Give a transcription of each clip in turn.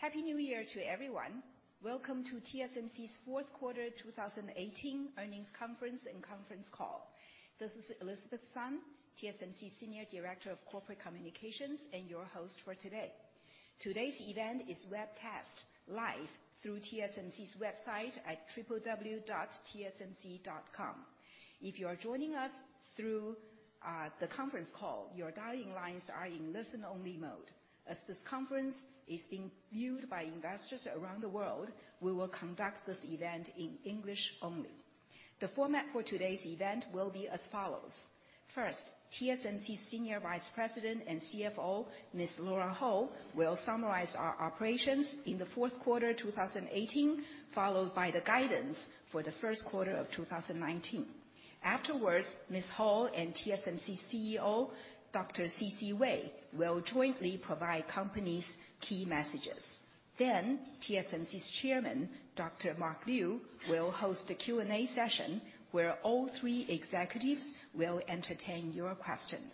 Happy New Year to everyone. Welcome to TSMC's fourth quarter 2018 earnings conference and conference call. This is Elizabeth Sun, TSMC's Senior Director of Corporate Communications, and your host for today. Today's event is webcast live through TSMC's website at www.tsmc.com. If you are joining us through the conference call, your dial-in lines are in listen-only mode. As this conference is being viewed by investors around the world, we will conduct this event in English only. The format for today's event will be as follows. First, TSMC's Senior Vice President and CFO, Ms. Lora Ho, will summarize our operations in the fourth quarter 2018, followed by the guidance for the first quarter of 2019. Afterwards, Ms. Ho and TSMC CEO, Dr. C.C. Wei, will jointly provide company's key messages. Then TSMC's Chairman, Dr. Mark Liu, will host a Q&A session where all three executives will entertain your questions.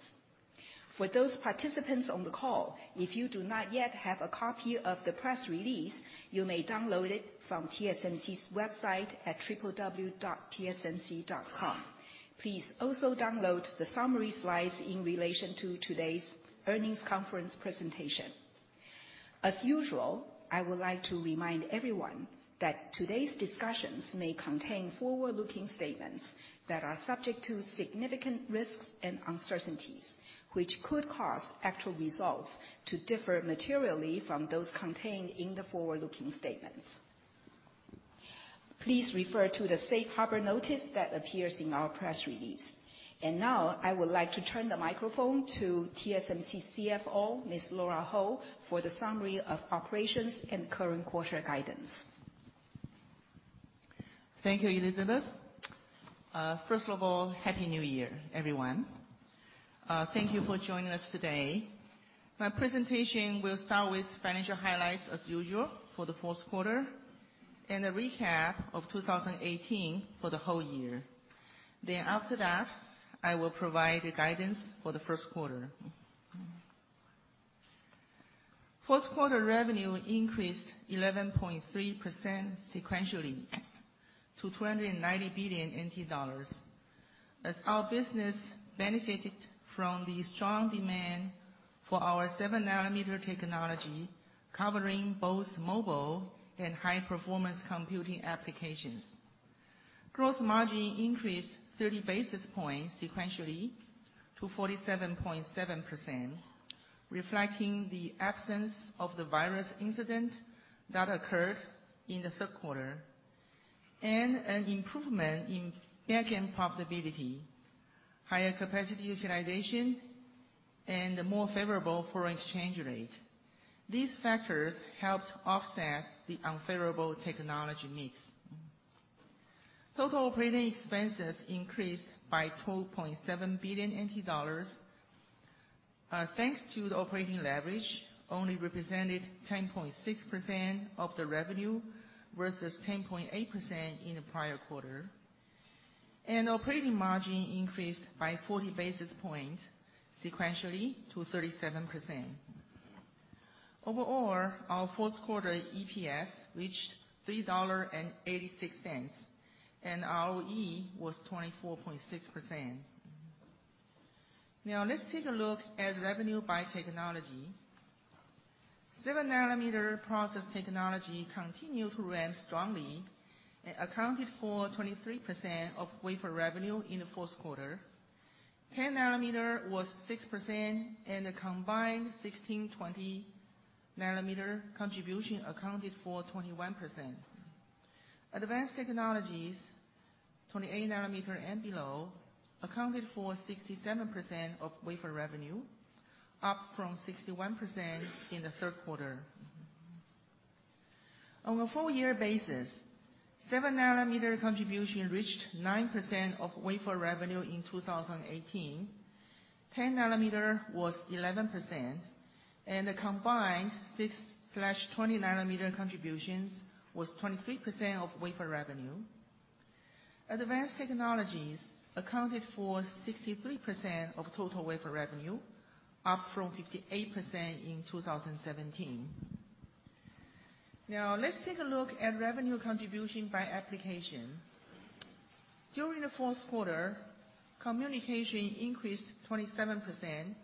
For those participants on the call, if you do not yet have a copy of the press release, you may download it from TSMC's website at www.tsmc.com. Please also download the summary slides in relation to today's earnings conference presentation. As usual, I would like to remind everyone that today's discussions may contain forward-looking statements that are subject to significant risks and uncertainties, which could cause actual results to differ materially from those contained in the forward-looking statements. Please refer to the safe harbor notice that appears in our press release. Now, I would like to turn the microphone to TSMC CFO, Ms. Lora Ho, for the summary of operations and current quarter guidance. Thank you, Elizabeth. First of all, Happy New Year, everyone. Thank you for joining us today. My presentation will start with financial highlights, as usual, for the fourth quarter, and a recap of 2018 for the whole year. After that, I will provide the guidance for the first quarter. Fourth quarter revenue increased 11.3% sequentially to 290 billion NT dollars. As our business benefited from the strong demand for our 7 nm technology, covering both mobile and high performance computing applications. Gross margin increased 30 basis points sequentially to 47.7%, reflecting the absence of the virus incident that occurred in the third quarter, and an improvement in back-end profitability, higher capacity utilization, and a more favorable foreign exchange rate. These factors helped offset the unfavorable technology mix. Total operating expenses increased by 12.7 billion NT dollars. Thanks to the operating leverage, only represented 10.6% of the revenue versus 10.8% in the prior quarter. Operating margin increased by 40 basis points sequentially to 37%. Overall, our fourth quarter EPS reached 3.86 dollars, and ROE was 24.6%. Let's take a look at revenue by technology. 7 nm process technology continued to ramp strongly and accounted for 23% of wafer revenue in the fourth quarter. 10 nm was 6%, and a combined 16 nm-20 nm contribution accounted for 21%. Advanced technologies, 28 nm and below, accounted for 67% of wafer revenue, up from 61% in the third quarter. On a four-year basis, 7 nm contribution reached 9% of wafer revenue in 2018. 10 nm was 11%, and a combined 6/20 nm contributions was 23% of wafer revenue. Advanced technologies accounted for 63% of total wafer revenue, up from 58% in 2017. Now, let's take a look at revenue contribution by application. During the fourth quarter, communication increased 27%,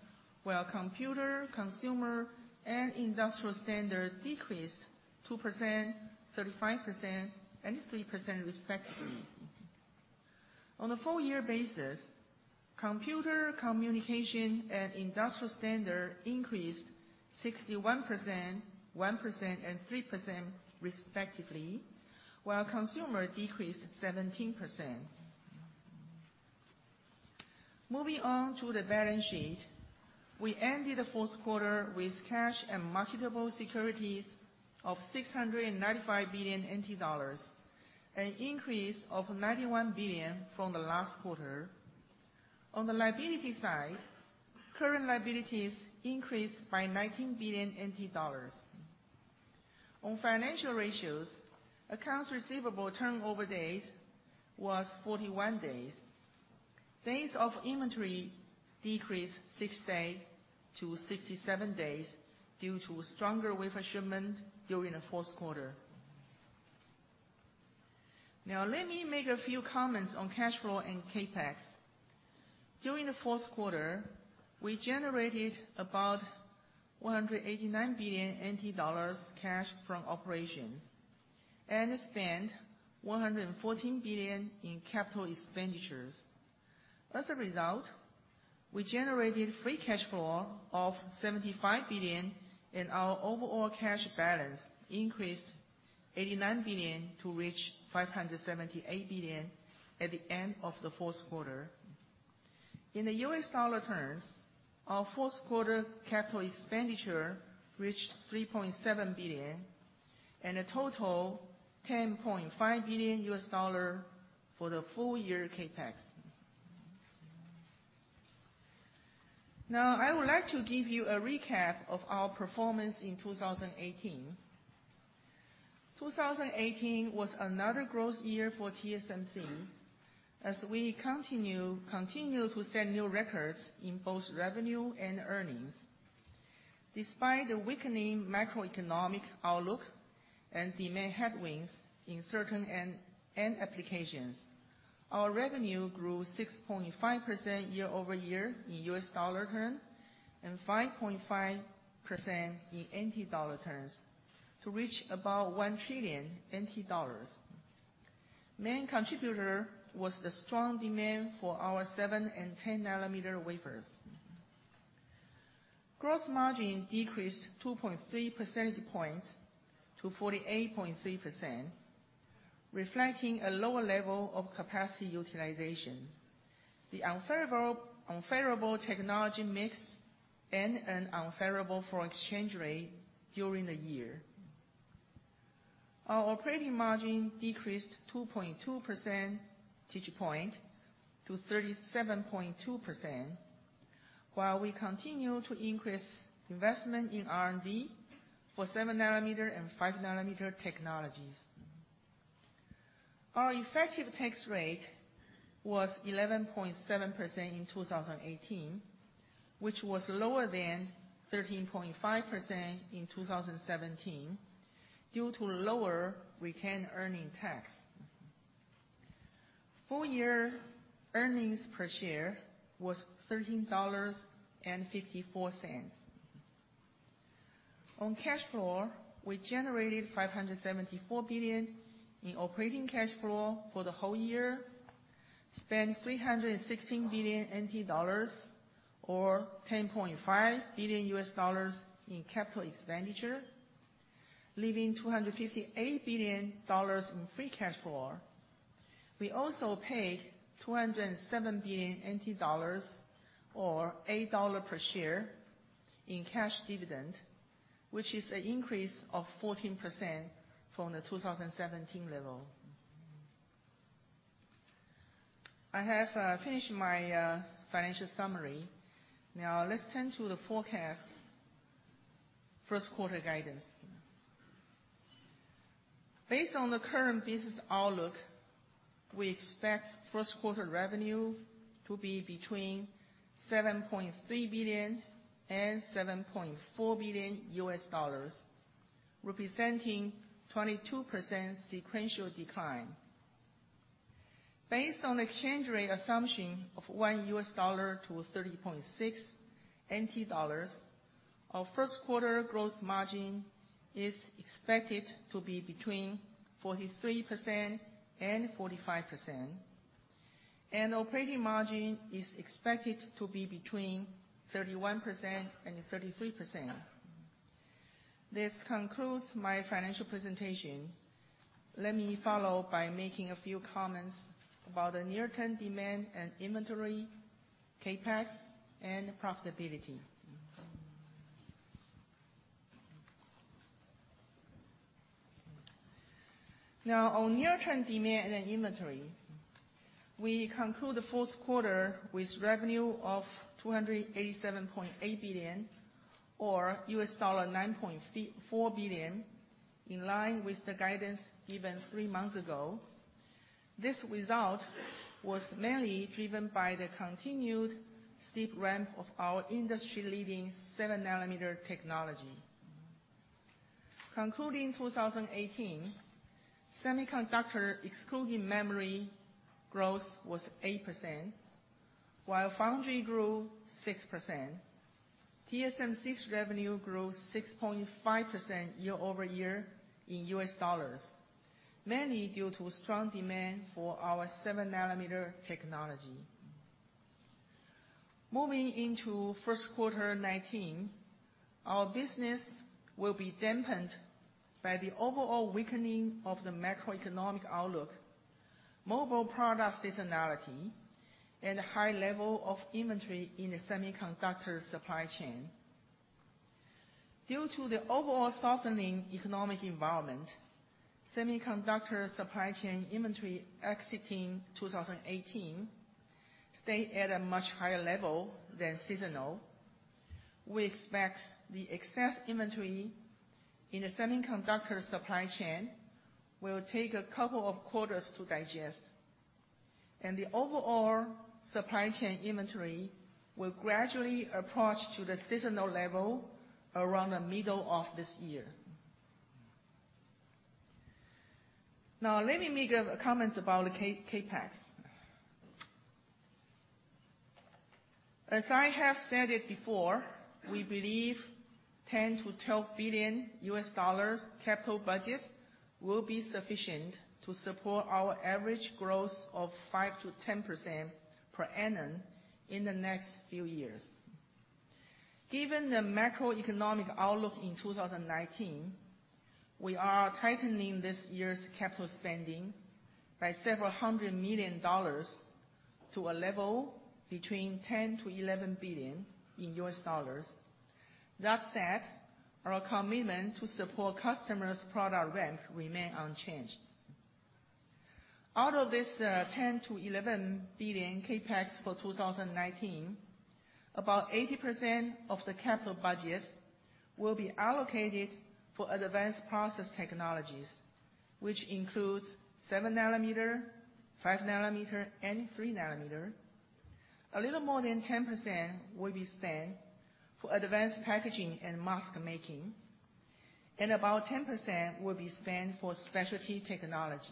while computer, consumer, and industrial standard decreased 2%, 35%, and 3%, respectively. On a four-year basis, computer, communication, and industrial standard increased 61%, 1%, and 3%, respectively, while consumer decreased 17%. Moving on to the balance sheet. We ended the fourth quarter with cash and marketable securities of 695 billion NT dollars, an increase of 91 billion from the last quarter. On the liability side, current liabilities increased by 19 billion NT dollars. On financial ratios, accounts receivable turnover days was 41 days. Days of inventory decreased six days to 67 days due to stronger wafer shipment during the fourth quarter. Let me make a few comments on cash flow and CapEx. During the fourth quarter, we generated about 189 billion NT dollars cash from operations, and spent 114 billion in capital expenditures. As a result, we generated free cash flow of 75 billion, and our overall cash balance increased 89 billion to reach 578 billion at the end of the fourth quarter. In the U.S. dollar terms, our fourth quarter capital expenditure reached $3.7 billion, and a total $10.5 billion for the full year CapEx. I would like to give you a recap of our performance in 2018. 2018 was another growth year for TSMC, as we continued to set new records in both revenue and earnings. Despite the weakening macroeconomic outlook and demand headwinds in certain end applications, our revenue grew 6.5% year-over-year in U.S. dollar term, and 5.5% in TWD terms, to reach about 1 trillion NT dollars. Main contributor was the strong demand for our 7 nm and 10 nm wafers. Gross margin decreased 2.3 percentage points to 48.3%, reflecting a lower level of capacity utilization. The unfavorable technology mix and an unfavorable foreign exchange rate during the year. Our operating margin decreased 2.2 percentage point to 37.2%, while we continue to increase investment in R&D for 7 nm and 5 nm technologies. Our effective tax rate was 11.7% in 2018, which was lower than 13.5% in 2017 due to lower retained earning tax. Full year earnings per share was 13.54 dollars. On cash flow, we generated 574 billion in operating cash flow for the whole year, spent 316 billion NT dollars, or $10.5 billion in capital expenditure, leaving TWD 258 billion in free cash flow. We also paid 207 billion NT dollars or 8 dollars per share in cash dividend, which is an increase of 14% from the 2017 level. I have finished my financial summary. Let's turn to the forecast first quarter guidance. Based on the current business outlook, we expect first quarter revenue to be between $7.3 billion and $7.4 billion, representing 22% sequential decline. Based on exchange rate assumption of $1 U.S. to 30.6 NT dollars, our first quarter gross margin is expected to be between 43% and 45%, and operating margin is expected to be between 31% and 33%. This concludes my financial presentation. Let me follow by making a few comments about the near-term demand and inventory, CapEx and profitability. On near-term demand and inventory, we conclude the fourth quarter with revenue of 287.8 billion or $9.4 billion, in line with the guidance given three months ago. This result was mainly driven by the continued steep ramp of our industry leading 7 nm technology. Concluding 2018, semiconductor excluding memory growth was 8%, while foundry grew 6%, TSMC's revenue grew 6.5% year-over-year in U.S. dollars, mainly due to strong demand for our 7 nm technology. Moving into first quarter 2019, our business will be dampened by the overall weakening of the macroeconomic outlook, mobile product seasonality, and high level of inventory in the semiconductor supply chain. Due to the overall softening economic environment, semiconductor supply chain inventory exiting 2018, stayed at a much higher level than seasonal. We expect the excess inventory in the semiconductor supply chain will take a couple of quarters to digest, and the overall supply chain inventory will gradually approach to the seasonal level around the middle of this year. Now, let me make comments about the CapEx. As I have stated before, we believe $10 billion-$12 billion capital budget will be sufficient to support our average growth of 5%-10% per annum in the next few years. Given the macroeconomic outlook in 2019, we are tightening this year's capital spending by several $100 million to a level between $10 billion-$11 billion. That said, our commitment to support customers' product ramp remain unchanged. Out of this $10 billion-$11 billion CapEx for 2019, about 80% of the capital budget will be allocated for advanced process technologies, which includes 7 nm, 5 nm, and 3 nm. A little more than 10% will be spent for advanced packaging and mask making, and about 10% will be spent for specialty technologies.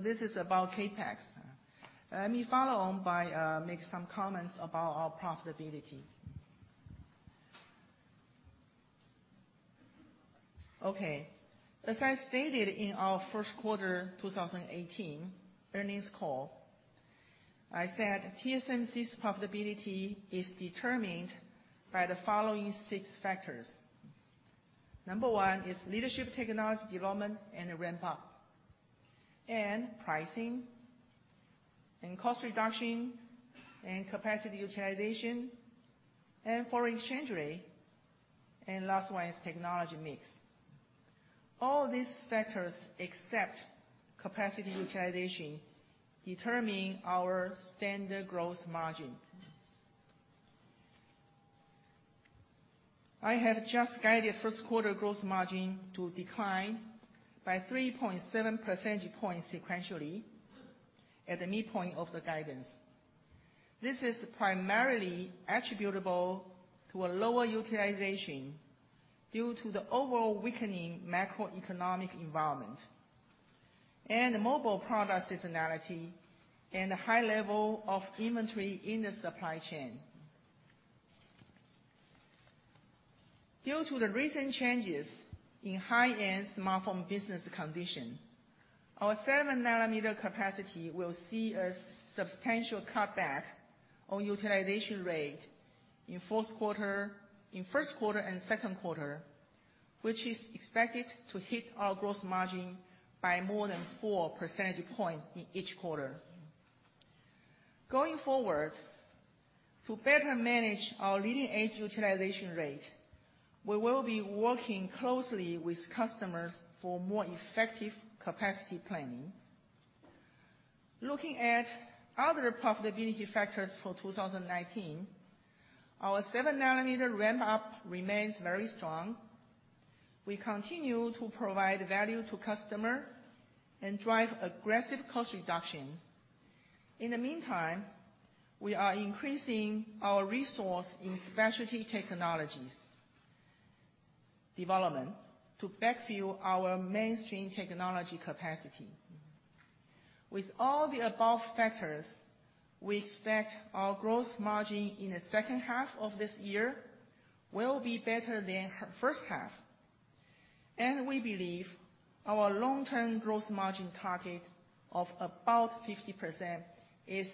This is about CapEx. Let me follow on by make some comments about our profitability. Okay. As I stated in our first quarter 2018 earnings call, I said TSMC's profitability is determined by the following six factors. Number one is leadership technology development and ramp-up, and pricing, and cost reduction, and capacity utilization, and foreign exchange rate, and last one is technology mix. All these factors, except capacity utilization, determine our standard growth margin. I have just guided first quarter growth margin to decline by 3.7% points sequentially at the midpoint of the guidance. This is primarily attributable to a lower utilization due to the overall weakening macroeconomic environment, and the mobile product seasonality, and the high level of inventory in the supply chain. Due to the recent changes in high-end smartphone business condition, our 7 nm capacity will see a substantial cutback on utilization rate in first quarter and second quarter, which is expected to hit our growth margin by more than 4% points in each quarter. Going forward, to better manage our leading edge utilization rate, we will be working closely with customers for more effective capacity planning. Looking at other profitability factors for 2019, our 7 nm ramp up remains very strong. We continue to provide value to customer and drive aggressive cost reduction. In the meantime, we are increasing our resource in specialty technologies development to backfill our mainstream technology capacity. With all the above factors, we expect our growth margin in the second half of this year will be better than first half, and we believe our long-term growth margin target of about 50% is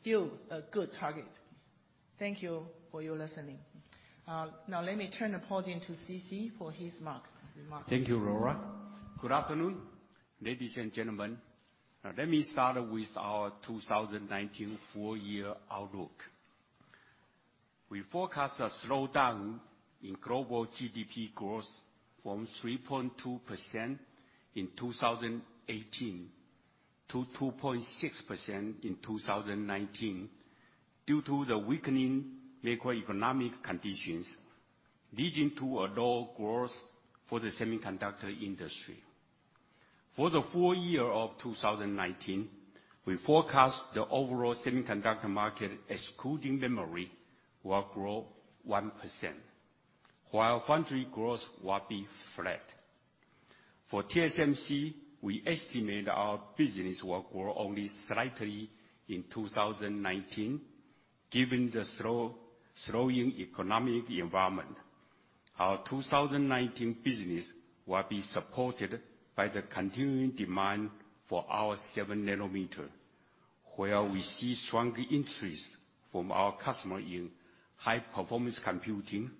still a good target. Thank you for your listening. Let me turn the podium to C.C. for his remark. Thank you, Lora. Good afternoon, ladies and gentlemen. Let me start with our 2019 full year outlook. We forecast a slowdown in global GDP growth from 3.2% in 2018 to 2.6% in 2019 due to the weakening macroeconomic conditions, leading to a low growth for the semiconductor industry. For the full year of 2019, we forecast the overall semiconductor market, excluding memory, will grow 1%, while foundry growth will be flat. For TSMC, we estimate our business will grow only slightly in 2019, given the slowing economic environment. Our 2019 business will be supported by the continuing demand for our 7 nm, where we see strong interest from our customer in high performance computing,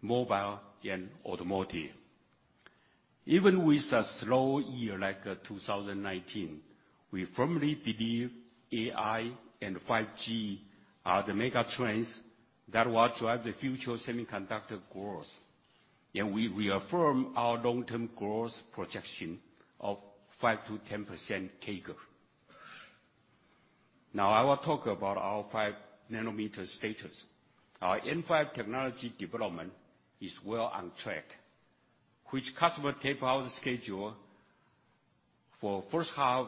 mobile, and automotive. Even with a slow year like 2019, we firmly believe AI and 5G are the mega trends that will drive the future semiconductor growth. And we reaffirm our long-term growth projection of 5%-10% CAGR. I will talk about our 5 nm status. Our N5 technology development is well on track. Which customer tape out schedule for first half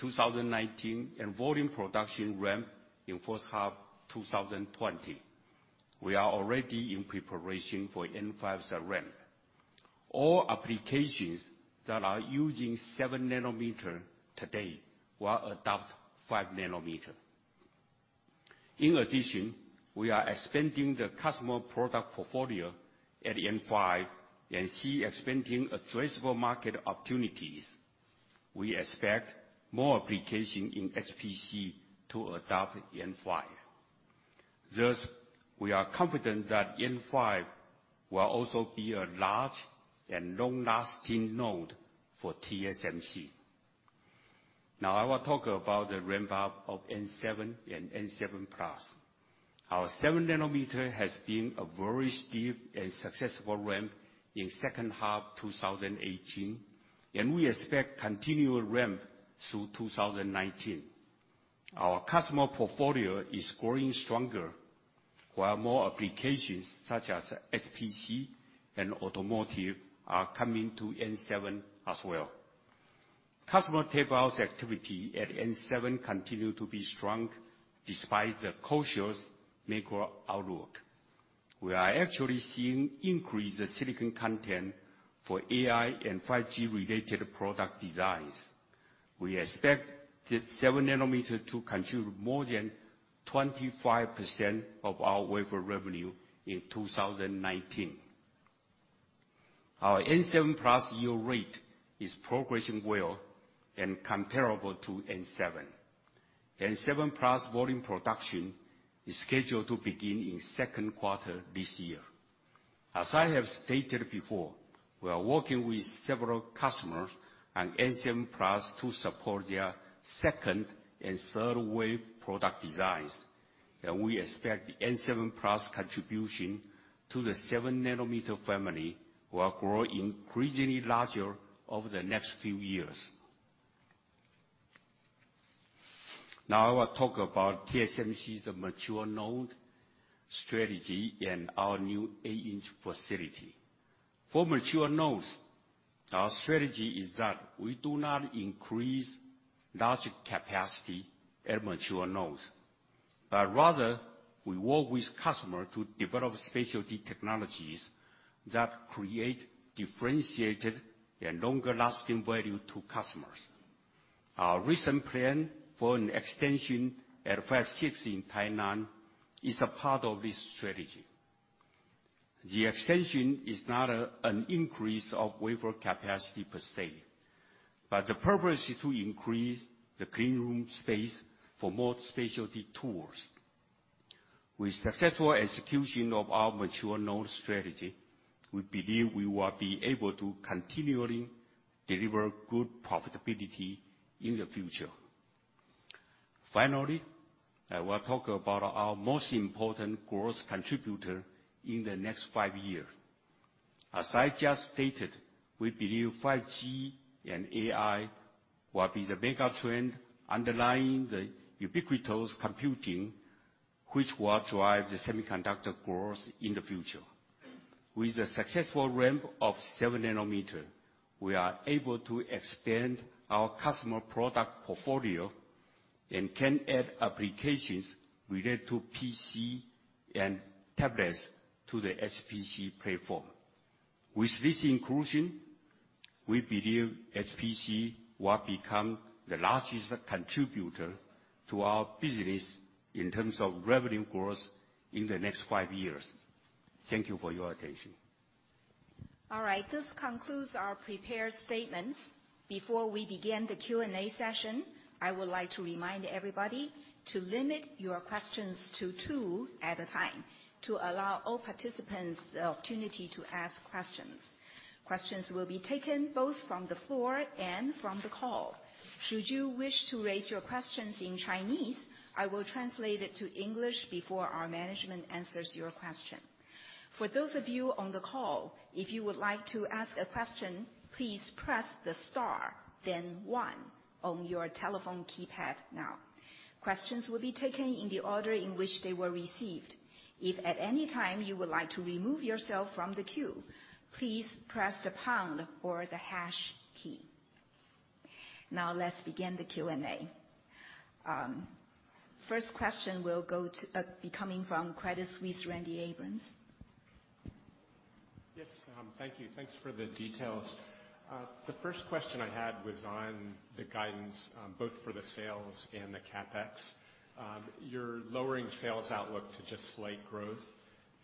2019 and volume production ramp in first half 2020. We are already in preparation for N5's ramp. All applications that are using 7 nm today will adopt 5 nm. In addition, we are expanding the customer product portfolio at N5 and see expanding addressable market opportunities. We expect more application in HPC to adopt N5. Thus, we are confident that N5 will also be a large and long-lasting node for TSMC. I will talk about the ramp-up of N7 and N7+. Our 7 nm has been a very steep and successful ramp in second half 2018, we expect continued ramp through 2019. Our customer portfolio is growing stronger, while more applications such as HPC and automotive are coming to N7 as well. Customer tape-outs activity at N7 continue to be strong despite the cautious macro outlook. We are actually seeing increased silicon content for AI and 5G related product designs. We expect that 7 nm to contribute more than 25% of our wafer revenue in 2019. Our N7+ yield rate is progressing well and comparable to N7. N7+ volume production is scheduled to begin in second quarter this year. As I have stated before, we are working with several customers on N7+ to support their second and third wave product designs, and we expect the N7+ contribution to the 7 nm family will grow increasingly larger over the next few years. Now I will talk about TSMC's mature node strategy and our new 8 in facility. For mature nodes, our strategy is that we do not increase large capacity at mature nodes. Rather, we work with customer to develop specialty technologies that create differentiated and longer-lasting value to customers. Our recent plan for an extension at Fab 6 in Tainan is a part of this strategy. The extension is not an increase of wafer capacity per se, but the purpose is to increase the clean room space for more specialty tools. With successful execution of our mature node strategy, we believe we will be able to continually deliver good profitability in the future. Finally, I will talk about our most important growth contributor in the next five year. As I just stated, we believe 5G and AI will be the mega trend underlying the ubiquitous computing, which will drive the semiconductor growth in the future. With the successful ramp of 7 nm, we are able to expand our customer product portfolio and can add applications related to PC and tablets to the HPC platform. With this inclusion, we believe HPC will become the largest contributor to our business in terms of revenue growth in the next five years. Thank you for your attention. All right. This concludes our prepared statements. Before we begin the Q&A session, I would like to remind everybody to limit your questions to two at a time to allow all participants the opportunity to ask questions. Questions will be taken both from the floor and from the call. Should you wish to raise your questions in Chinese, I will translate it to English before our management answers your question. For those of you on the call, if you would like to ask a question, please press the star, then one on your telephone keypad now. Questions will be taken in the order in which they were received. If at any time you would like to remove yourself from the queue, please press the pound or the hash key. Now let's begin the Q&A. First question will be coming from Credit Suisse, Randy Abrams. Yes. Thank you. Thanks for the details. The first question I had was on the guidance, both for the sales and the CapEx. You're lowering sales outlook to just slight growth,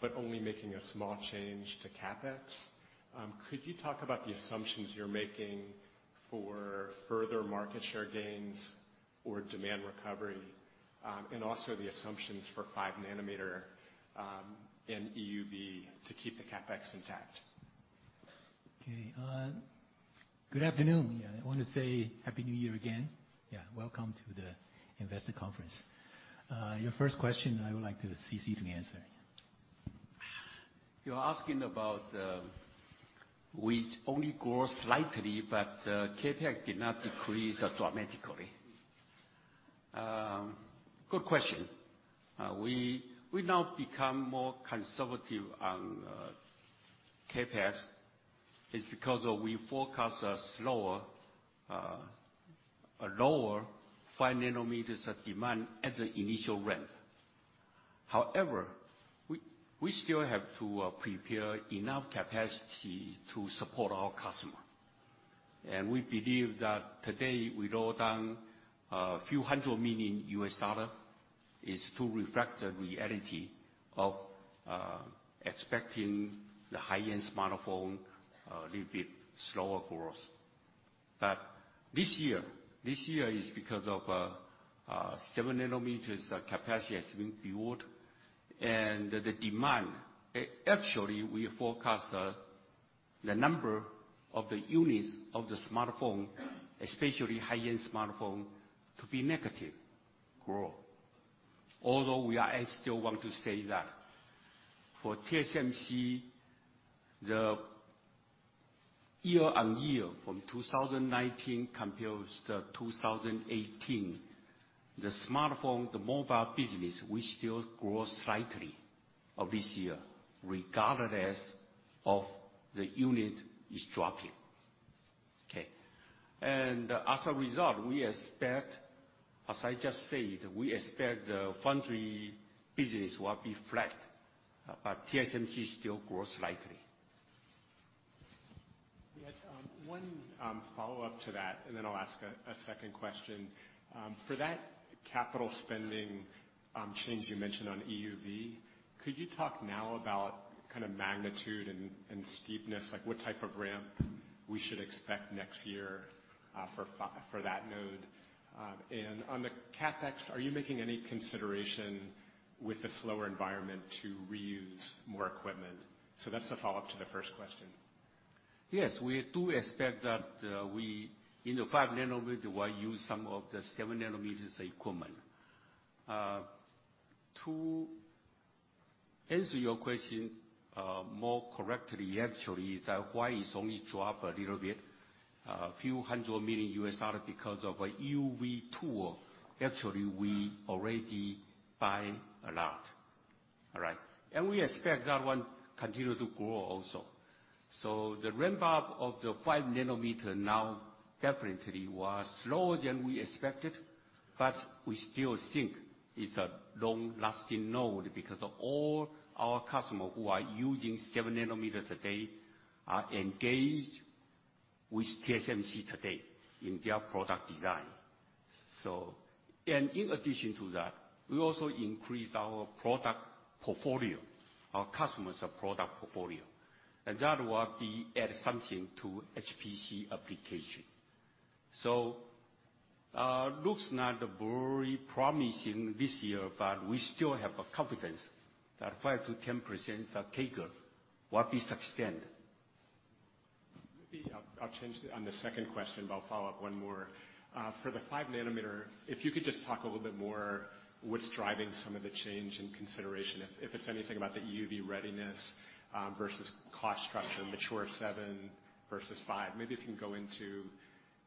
but only making a small change to CapEx. Could you talk about the assumptions you're making for further market share gains or demand recovery? Also the assumptions for 5 nm in EUV to keep the CapEx intact? Okay. Good afternoon. I want to say happy New Year again. Yeah, welcome to the investor conference. Your first question, I would like C.C. to answer. You're asking about, which only grows slightly but CapEx did not decrease dramatically. Good question. We now become more conservative on CapEx. It's because we forecast a lower 5 nm of demand at the initial ramp. However, we still have to prepare enough capacity to support our customer. We believe that today we wrote down a few hundred million U.S. dollars is to reflect the reality of expecting the high-end smartphone a little bit slower growth. This year is because of 7 nm capacity has been built. Actually, we forecast the number of the units of the smartphone, especially high-end smartphone, to be negative growth. Although we still want to say that for TSMC, the year-on-year from 2019 compares to 2018, the smartphone, the mobile business, will still grow slightly of this year regardless of the unit is dropping. Okay. As a result, we expect, as I just said, we expect the foundry business will be flat, TSMC still grows slightly. Yes. One follow-up to that, then I'll ask a second question. For that capital spending change you mentioned on EUV, could you talk now about kind of magnitude and steepness? Like, what type of ramp we should expect next year for that node? On the CapEx, are you making any consideration with the slower environment to reuse more equipment? That's the follow-up to the first question. We do expect that we, in the 5 nm, will use some of the 7 nm equipment. To answer your question more correctly, actually, why it is only drop a little bit, a few $100 million because of EUV tool. Actually, we already buy a lot. All right? We expect that one continue to grow also. The ramp-up of the 5 nm now definitely was slower than we expected, but we still think it is a long-lasting node because of all our customer who are using 7 nm today are engaged with TSMC today in their product design. In addition to that, we also increased our product portfolio, our customer's product portfolio, and that will be add something to HPC application. Looks not very promising this year, but we still have a confidence that 5%-10% of CAGR will be sustained. Maybe I will change on the second question, but I will follow up one more. For the 5 nm, if you could just talk a little bit more what is driving some of the change in consideration. If it is anything about the EUV readiness versus cost structure, mature 7 nm versus 5 nm. Maybe if you can go into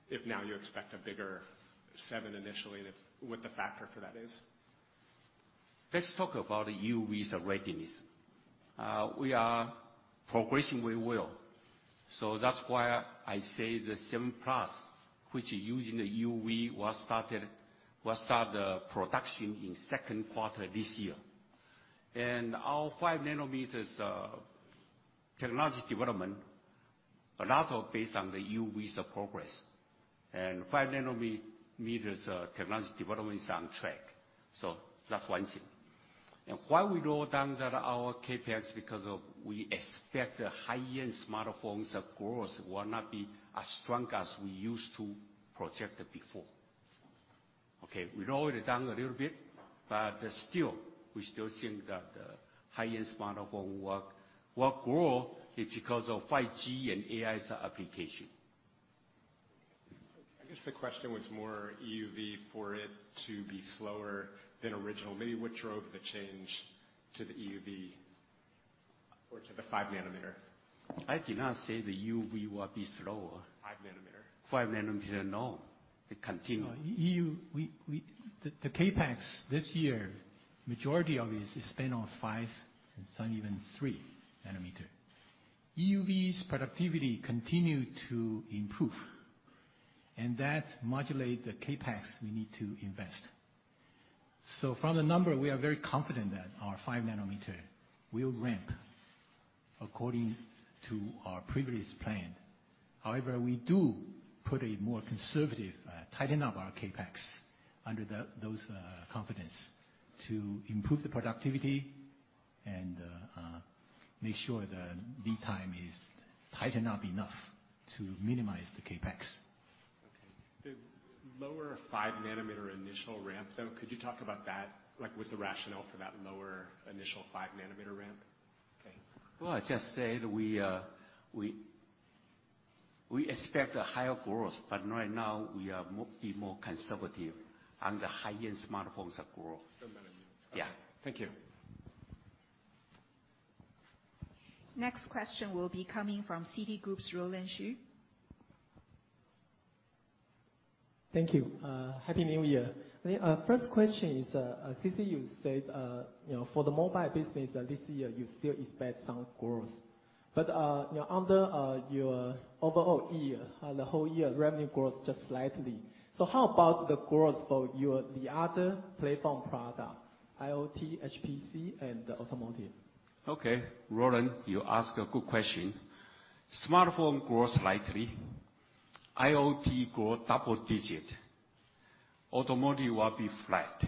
if now you expect a bigger 7 nm initially, and if, what the factor for that is. Let us talk about EUV's readiness. We are progressing very well. That is why I say the N7+, which using the EUV, will start the production in second quarter this year. Our 5 nm technology development, a lot of based on the EUV's progress. 5 nm technology development is on track. That is one thing. Why we wrote down that our CapEx, because we expect the high-end smartphones' growth will not be as strong as we used to project before. Okay, we lowered it down a little bit, but still, we still think that the high-end smartphone will grow. It is because of 5G and AI's application. I guess the question was more EUV for it to be slower than original. Maybe what drove the change to the EUV or to the 5 nm? I did not say the EUV will be slower. 5 nm. 5 nm, no. It continue. The CapEx this year, majority of is spent on 5 nm and some even 3 nm. EUV's productivity continue to improve, and that modulate the CapEx we need to invest. From the number, we are very confident that our 5 nm will ramp according to our previous plan. However, we do put a more conservative, tighten up our CapEx under those confidence to improve the productivity and make sure the lead time is tighten up enough to minimize the CapEx. The lower 5 nm initial ramp, though, could you talk about that? Like, what's the rationale for that lower initial 5 nm ramp? Okay. Well, I just said we expect a higher growth. Right now we are more conservative on the high-end smartphones growth. The nanometers. Yeah. Thank you. Next question will be coming from Citigroup's Roland Shu. Thank you. Happy New Year. The first question is, C.C., you said for the mobile business this year, you still expect some growth. Under your overall year, the whole year, revenue grows just slightly. How about the growth for the other platform product, IoT, HPC, and the automotive? Okay. Roland, you ask a good question. Smartphone grow slightly. IoT grow double digit. Automotive will be flat.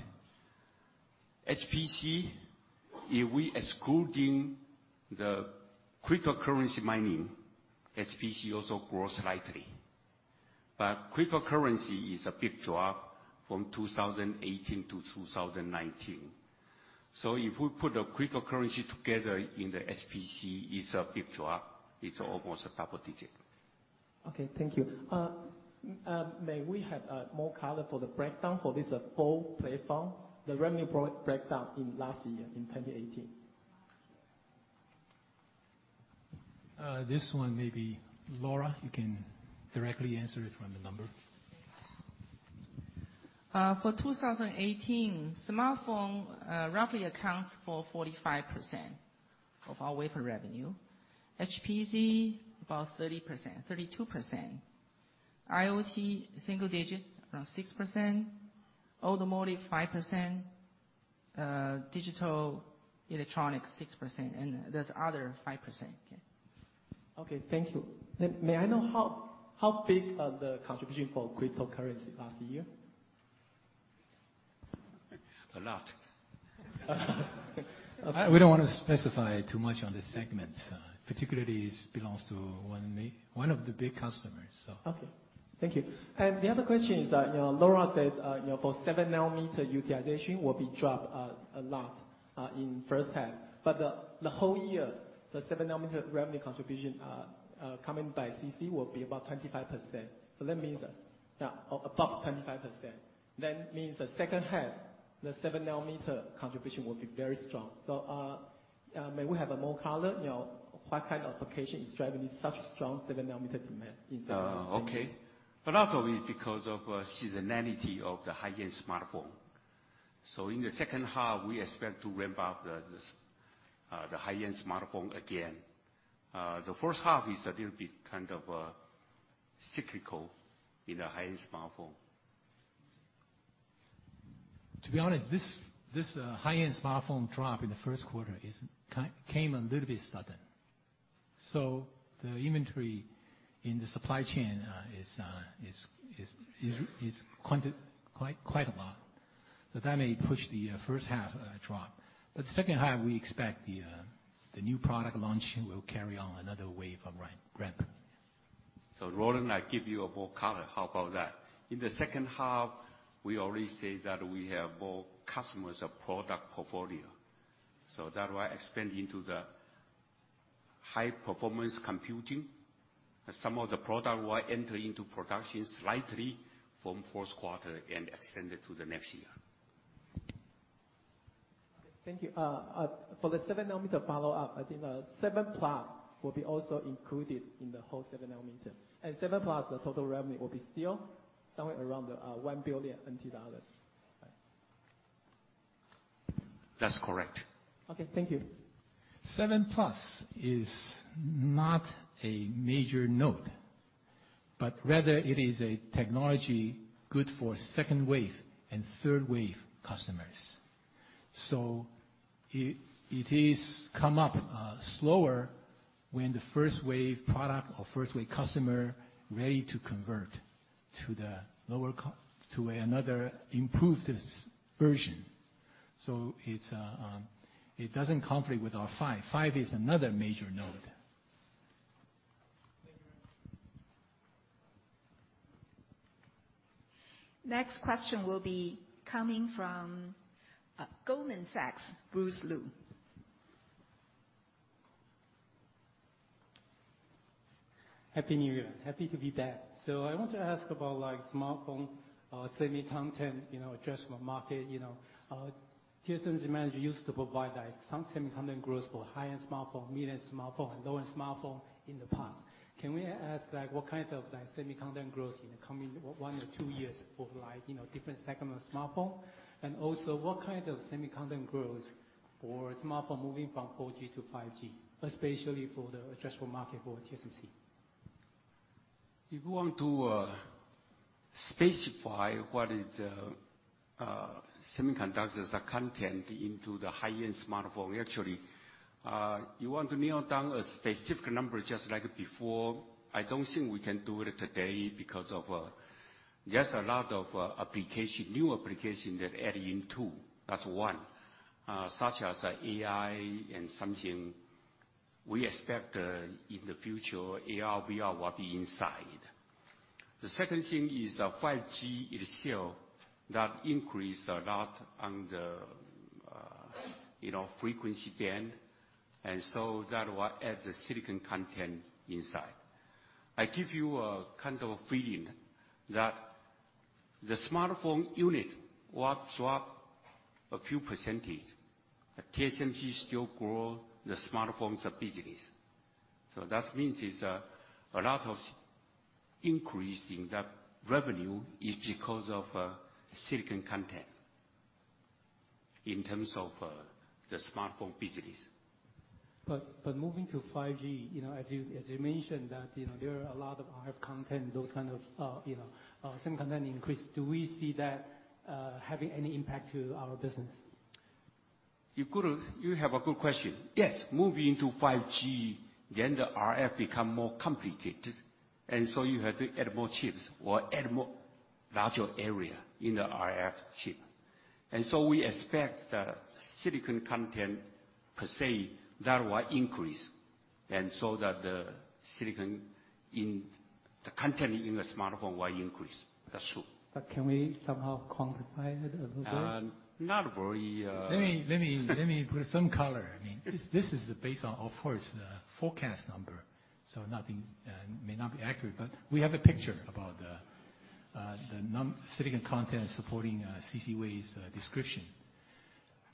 HPC, if we excluding the cryptocurrency mining, HPC also grow slightly. Cryptocurrency is a big drop from 2018-2019. If we put a cryptocurrency together in the HPC, it's a big drop. It's almost double digit. Okay. Thank you. May we have more color for the breakdown for this whole platform, the revenue breakdown in last year, in 2018? This one, maybe Lora, you can directly answer it from the number. For 2018, smartphone roughly accounts for 45% of our wafer revenue. HPC, about 30%-32%. IoT, single digit, around 6%. Automotive 5%. Digital electronics 6%. There's other 5%. Okay. Okay. Thank you. May I know how big the contribution for cryptocurrency last year? A lot. We don't want to specify too much on the segments. Particularly, it belongs to one of the big customers. Okay. Thank you. The other question is, Lora said for 7 nm utilization will be dropped a lot in first half. The whole year, the 7 nm revenue contribution, coming by C.C., will be about 25%. That means that above 25%. That means the second half, the 7 nm contribution will be very strong. May we have a more color? What kind of application is driving such strong 7 nm demand in the second half? Okay. A lot of it because of seasonality of the high-end smartphone. In the second half, we expect to ramp up the high-end smartphone again. The first half is a little bit kind of cyclical in the high-end smartphone. To be honest, this high-end smartphone drop in the first quarter came a little bit sudden. The inventory in the supply chain is quite a lot. That may push the first half drop. Second half, we expect the new product launch will carry on another wave of ramp. Roland, I give you a more color. How about that? In the second half, we already say that we have more customers of product portfolio. That will expand into the high-performance computing. Some of the product will enter into production slightly from fourth quarter and extend it to the next year. Thank you. For the 7 nm follow-up, I think N7+ will be also included in the whole 7 nm. N7+, the total revenue will be still somewhere around 1 billion NT dollars. Right? That's correct. Okay. Thank you. N7+ is not a major node, rather it is a technology good for second wave and third wave customers. It is come up slower when the first wave product or first wave customer ready to convert to the lower cost, to another improved version. It doesn't conflict with our 5 nm. 5 nm is another major node. Thank you very much. Next question will be coming from Goldman Sachs, Bruce Lu. Happy New Year. Happy to be back. I want to ask about smartphone semiconductor adjustment market. TSMC used to provide that some semiconductor growth for high-end smartphone, mid-end smartphone, and low-end smartphone in the past. Can we ask what kind of semiconductor growth in the coming one or two years for different segment of smartphone? Also, what kind of semiconductor growth for smartphone moving from 4G-5G, especially for the addressable market for TSMC? If you want to specify what is the semiconductors content into the high-end smartphone, actually, you want to nail down a specific number just like before. I don't think we can do it today because of there's a lot of application, new application that add in too. That's one. Such as AI. We expect in the future, AR/VR will be inside. The second thing is 5G initial, that increase a lot on the frequency band, that will add the silicon content inside. I give you a kind of feeling that the smartphone unit will drop a few percentage, but TSMC still grow the smartphones as a business. That means is a lot of increase in that revenue is because of silicon content in terms of the smartphone business. Moving to 5G, as you mentioned that there are a lot of RF content, those kind of silicon content increase. Do we see that having any impact to our business? You have a good question. Yes, moving to 5G, the RF become more complicated, you have to add more chips or add more larger area in the RF chip. We expect the silicon content per se, that will increase, that the silicon content in the smartphone will increase. That's true. Can we somehow quantify it a little bit? Not very- Let me put some color. This is based on, of course, the forecast number, so may not be accurate, but we have a picture about the silicon content supporting C.C. Wei's description.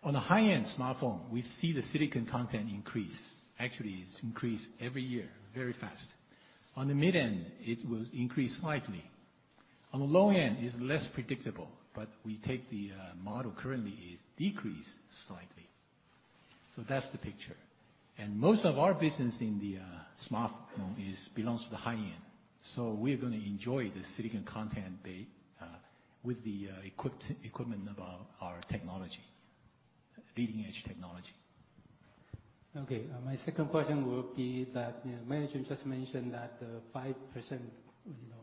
On a high-end smartphone, we see the silicon content increase. Actually, it's increased every year, very fast. On the mid end, it will increase slightly. On the low end, it's less predictable, but we take the model currently is decreased slightly. That's the picture. Most of our business in the smartphone belongs to the high end, we are going to enjoy the silicon content bait with the equipment of our technology, leading-edge technology. Okay. My second question will be that, management just mentioned that the 5%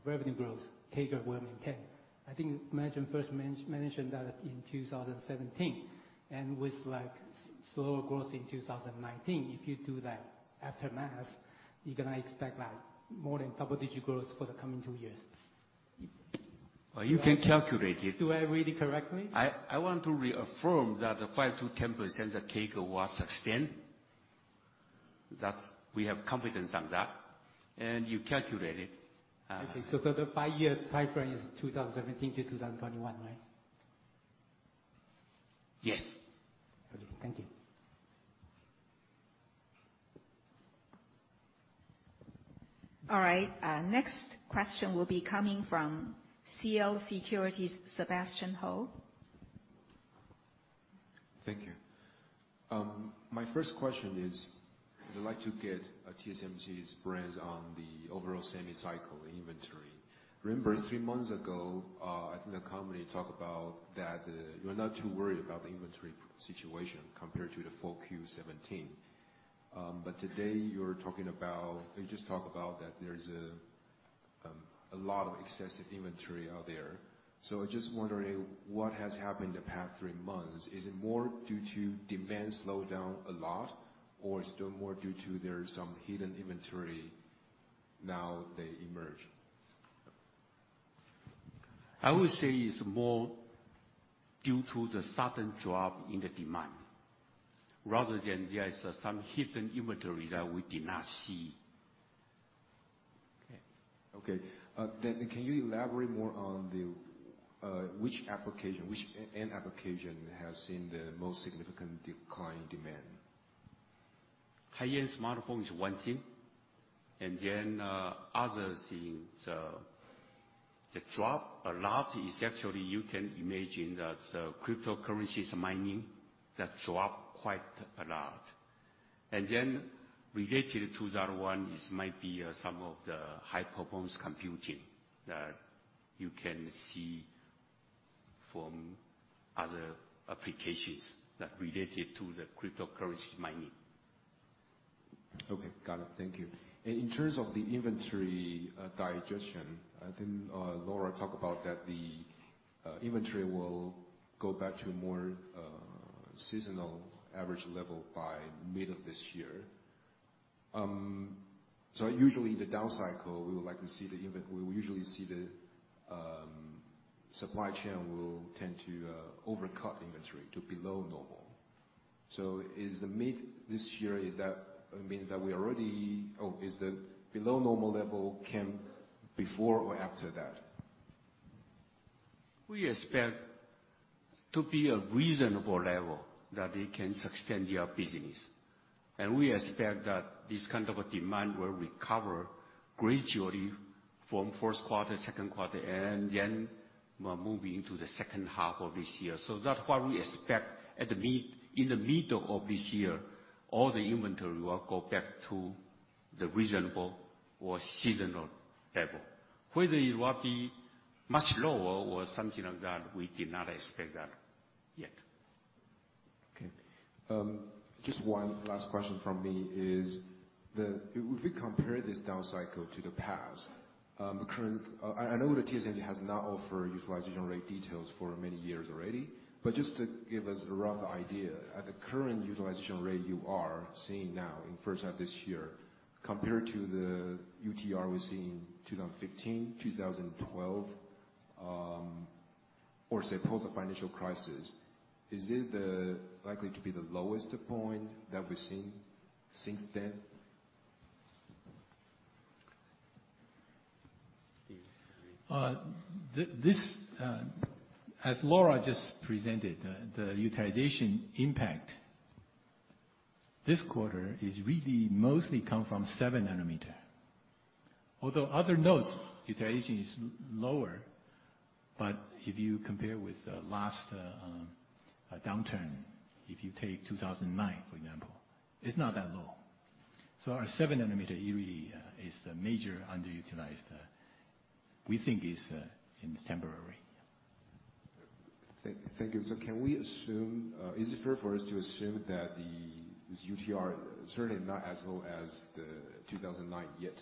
revenue growth CAGR within 10. I think management first mentioned that in 2017, and with slower growth in 2019. If you do that after maths, you're going to expect more than double-digit growth for the coming two years. You can calculate it. Do I read it correctly? I want to reaffirm that the 5%-10% CAGR will extend. We have confidence on that. You calculate it. The five-year timeframe is 2017-2021, right? Yes. Thank you. Next question will be coming from CL Securities' Sebastian Hou. Thank you. My first question is, I'd like to get TSMC's brains on the overall semi cycle inventory. Remember, three months ago, I think the company talked about that you're not too worried about the inventory situation compared to the full quarter 2017. Today, you just talked about that there's a lot of excessive inventory out there. I'm just wondering what has happened the past three months. Is it more due to demand slowed down a lot, or still more due to there is some hidden inventory, now they emerge? I would say it's more due to the sudden drop in the demand rather than there is some hidden inventory that we did not see. Okay. Can you elaborate more on which end application has seen the most significant decline in demand? High-end smartphone is one thing, and then other things. The drop a lot is actually you can imagine that cryptocurrencies mining, that dropped quite a lot. Related to that one is might be some of the high-performance computing that you can see from other applications that related to the cryptocurrency mining. Okay, got it. Thank you. In terms of the inventory digestion, I think Lora talked about that the inventory will go back to more seasonal average level by middle of this year. Usually, the down cycle, we usually see the supply chain will tend to overcut inventory to below normal. Is the mid this year, is that means that the below normal level came before or after that? We expect to be a reasonable level that it can sustain your business. We expect that this kind of a demand will recover gradually from first quarter, second quarter, and then moving into the second half of this year. That's what we expect in the middle of this year. All the inventory will go back to the reasonable or seasonal level. Whether it will be much lower or something like that, we did not expect that yet. Okay. Just one last question from me is, if we compare this down cycle to the past. I know that TSMC has not offered utilization rate details for many years already, but just to give us a rough idea. At the current utilization rate you are seeing now in first half this year, compared to the UTR we see in 2015, 2012, or say, post-financial crisis, is it likely to be the lowest point that we've seen since then? This, as Lora just presented, the utilization impact this quarter is really mostly come from 7 nm. Although other nodes utilization is lower, but if you compare with the last downturn, if you take 2009, for example, it's not that low. Our 7 nm really is the major underutilized. We think it's temporary. Thank you. Is it fair for us to assume that this UTR certainly not as low as the 2009 yet,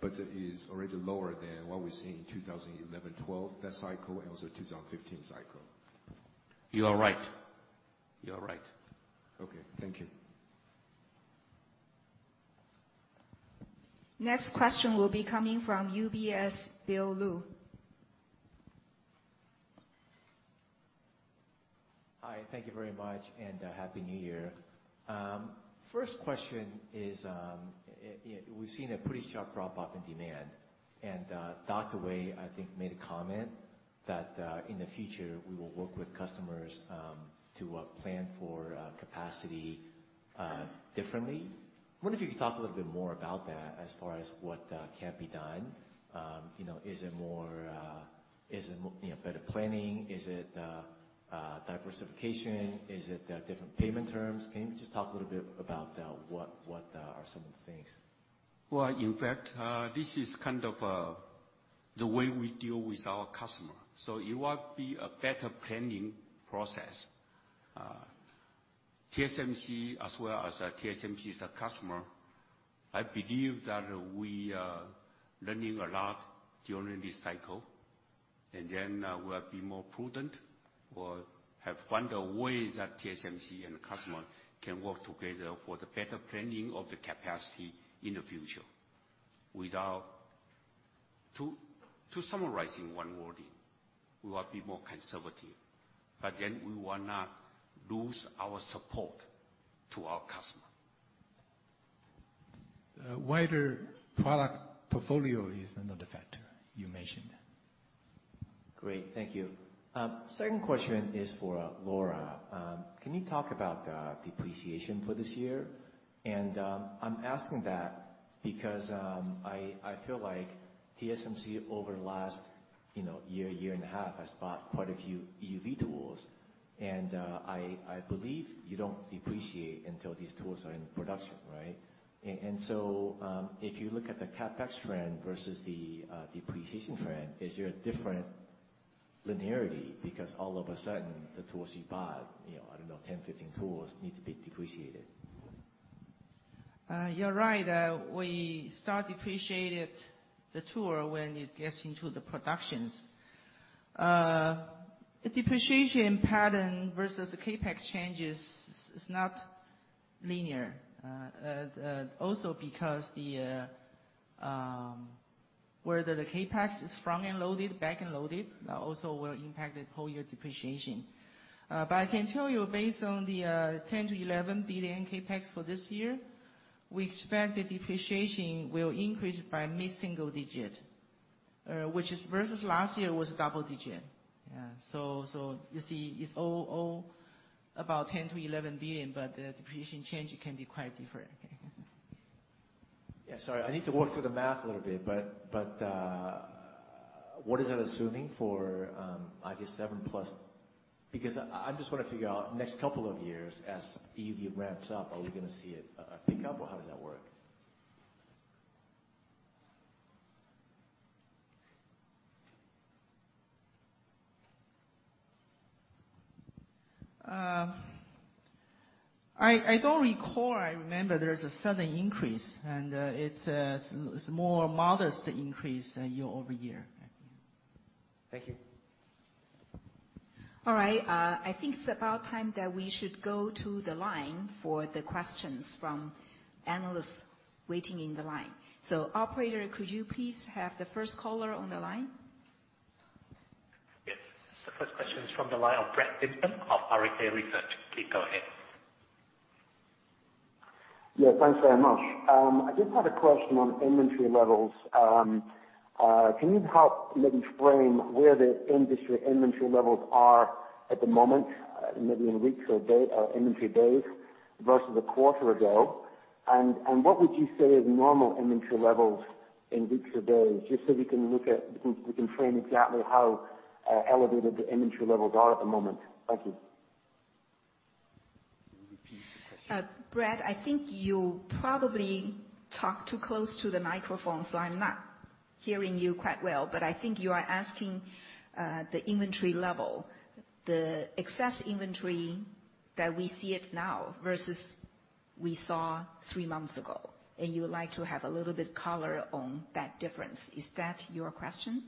but it is already lower than what we're seeing in 2011, 2012, that cycle, and also 2015 cycle? You are right. You are right. Okay. Thank you. Next question will be coming from UBS, Bill Lu. Hi, thank you very much, and happy New Year. First question is, we've seen a pretty sharp drop-off in demand. Dr. Wei, I think, made a comment that, in the future, we will work with customers to plan for capacity differently. I wonder if you could talk a little bit more about that as far as what can be done. Is it better planning? Is it diversification? Is it different payment terms? Can you just talk a little bit about what are some of the things? In fact, this is kind of the way we deal with our customer. It will be a better planning process. TSMC as well as TSMC's customer, I believe that we are learning a lot during this cycle. We will be more prudent or have found a way that TSMC and the customer can work together for the better planning of the capacity in the future. To summarize in one wording, we will be more conservative, we will not lose our support to our customer. A wider product portfolio is another factor you mentioned. Great. Thank you. Second question is for Lora. Can you talk about the depreciation for this year? I'm asking that because, I feel like TSMC over the last year and a half, has bought quite a few EUV tools, and I believe you don't depreciate until these tools are in production, right? If you look at the CapEx trend versus the depreciation trend, is there a different linearity? Because all of a sudden, the tools you bought, I don't know, 10, 15 tools need to be depreciated. You're right. We start depreciated the tool when it gets into the production. The depreciation pattern versus the CapEx changes is not linear. Because whether the CapEx is front-end loaded, back-end loaded, also will impact the whole year depreciation. I can tell you based on the 10 billion-11 billion CapEx for this year, we expect the depreciation will increase by mid-single-digit, which versus last year was double-digit. Yeah. You see it's all about 10 billion-11 billion, but the depreciation change can be quite different. Yeah, sorry. I need to work through the math a little bit. What is that assuming for, I guess N7+? I just want to figure out next couple of years as EUV ramps up, are we going to see a pickup or how does that work? I don't recall. I remember there was a sudden increase. It's a more modest increase year-over-year, I think. Thank you. All right. I think it's about time that we should go to the line for the questions from analysts waiting in the line. Operator, could you please have the first caller on the line? Yes. The first question is from the line of Brett Simpson of Arete Research. Please go ahead. Yeah, thanks very much. I just had a question on inventory levels. Can you help maybe frame where the industry inventory levels are at the moment, maybe in weeks or inventory days versus a quarter ago? What would you say is normal inventory levels in weeks or days, just so we can frame exactly how elevated the inventory levels are at the moment. Thank you. Can you repeat the question? Brett, I think you probably talked too close to the microphone, so I'm not hearing you quite well. I think you are asking, the inventory level, the excess inventory that we see it now versus we saw three months ago, and you would like to have a little bit color on that difference. Is that your question?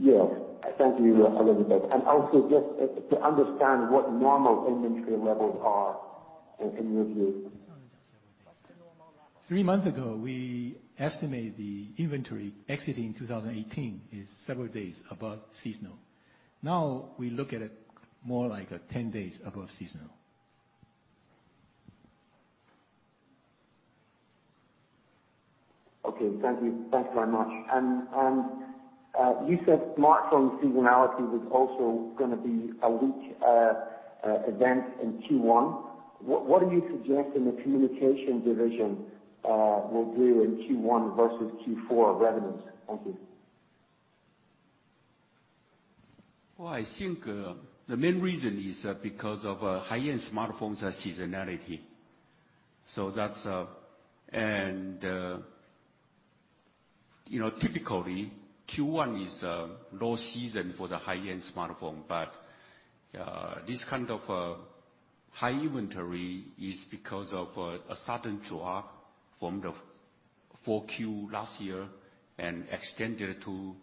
Yes. Thank you, Elizabeth. Also just to understand what normal inventory levels are in your view? What's the normal level? Three months ago, we estimated the inventory exiting 2018 is several days above seasonal. Now we look at it more like 10 days above seasonal. Okay. Thank you. Thanks very much. You said smartphone seasonality was also going to be a weak event in Q1. What are you suggesting the communication division will do in Q1 versus Q4 revenues? Thank you. Well, I think, the main reason is because of high-end smartphones seasonality. Typically, Q1 is a low season for the high-end smartphone, but this kind of high inventory is because of a sudden drop from the 4Q last year and extended to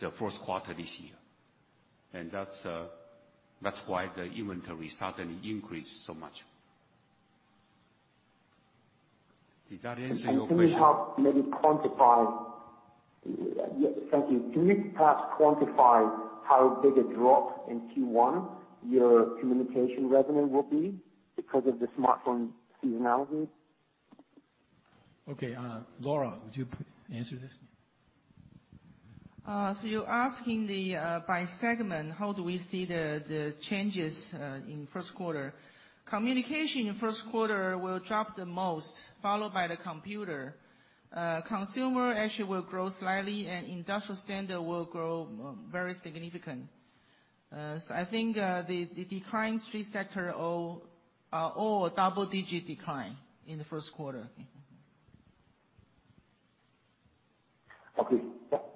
the first quarter this year. That's why the inventory suddenly increased so much. Did that answer your question? Yes, thank you. Can you perhaps quantify how big a drop in Q1 your communication revenue will be because of the smartphone seasonality? Okay. Lora, would you answer this? You're asking by segment, how do we see the changes in first quarter? Communication in first quarter will drop the most, followed by the computer. Consumer actually will grow slightly, and industrial standard will grow very significant. I think, the declining three sector are all double-digit decline in the first quarter. Okay.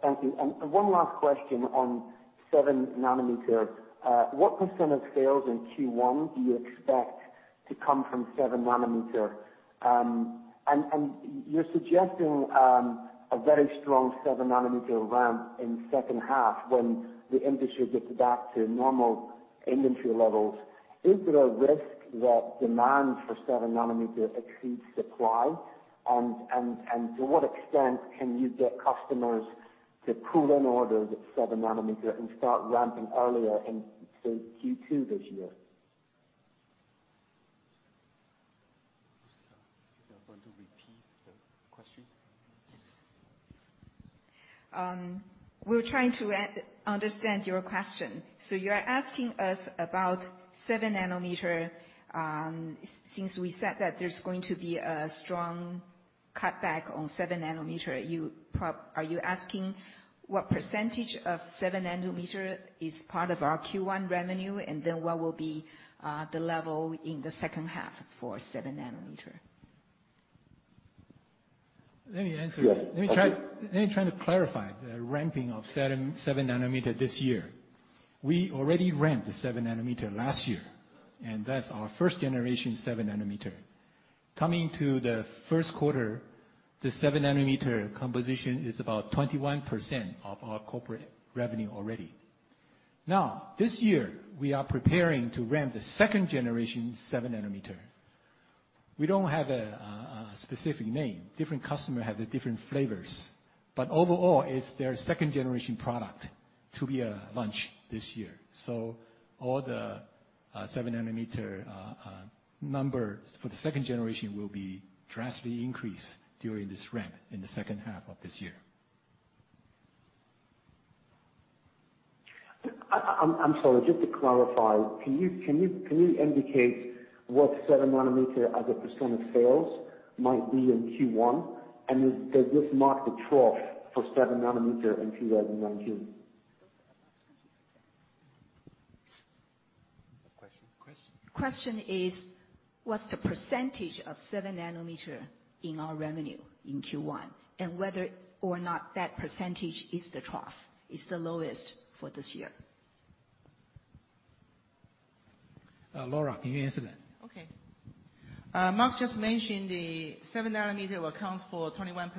Thank you. One last question on 7 nm. What percentage of sales in Q1 do you expect to come from 7 nm? You're suggesting a very strong 7 nm ramp in second half when the industry gets back to normal inventory levels. Is there a risk that demand for 7 nm exceeds supply? To what extent can you get customers to pull in orders at 7 nm and start ramping earlier in, say, Q2 this year? You're going to repeat the question? We're trying to understand your question. You're asking us about 7 nm, since we said that there's going to be a strong cutback on 7 nm. Are you asking what perecentage of 7 nm is part of our Q1 revenue, and then what will be the level in the second half for 7 nm? Let me answer. Yes. Okay. Let me try to clarify the ramping of 7 nm this year. We already ramped the 7 nm last year, that's our first generation 7 nm. Coming to the first quarter, the 7 nm composition is about 21% of our corporate revenue already. Now, this year, we are preparing to ramp the second generation 7 nm. We don't have a specific name. Different customer have the different flavors. Overall, it's their second-generation product to be launched this year. All the 7 nm numbers for the second generation will be drastically increased during this ramp in the second half of this year. I'm sorry, just to clarify, can you indicate what 7 nm as a percentage of sales might be in Q1? Does this mark the trough for 7 nm in 2019? Question? Question is, what's the percentage of 7 nm in our revenue in Q1? Whether or not that percentage is the trough, is the lowest for this year. Lora, can you answer that? Okay. Mark just mentioned the 7 nm accounts for 21%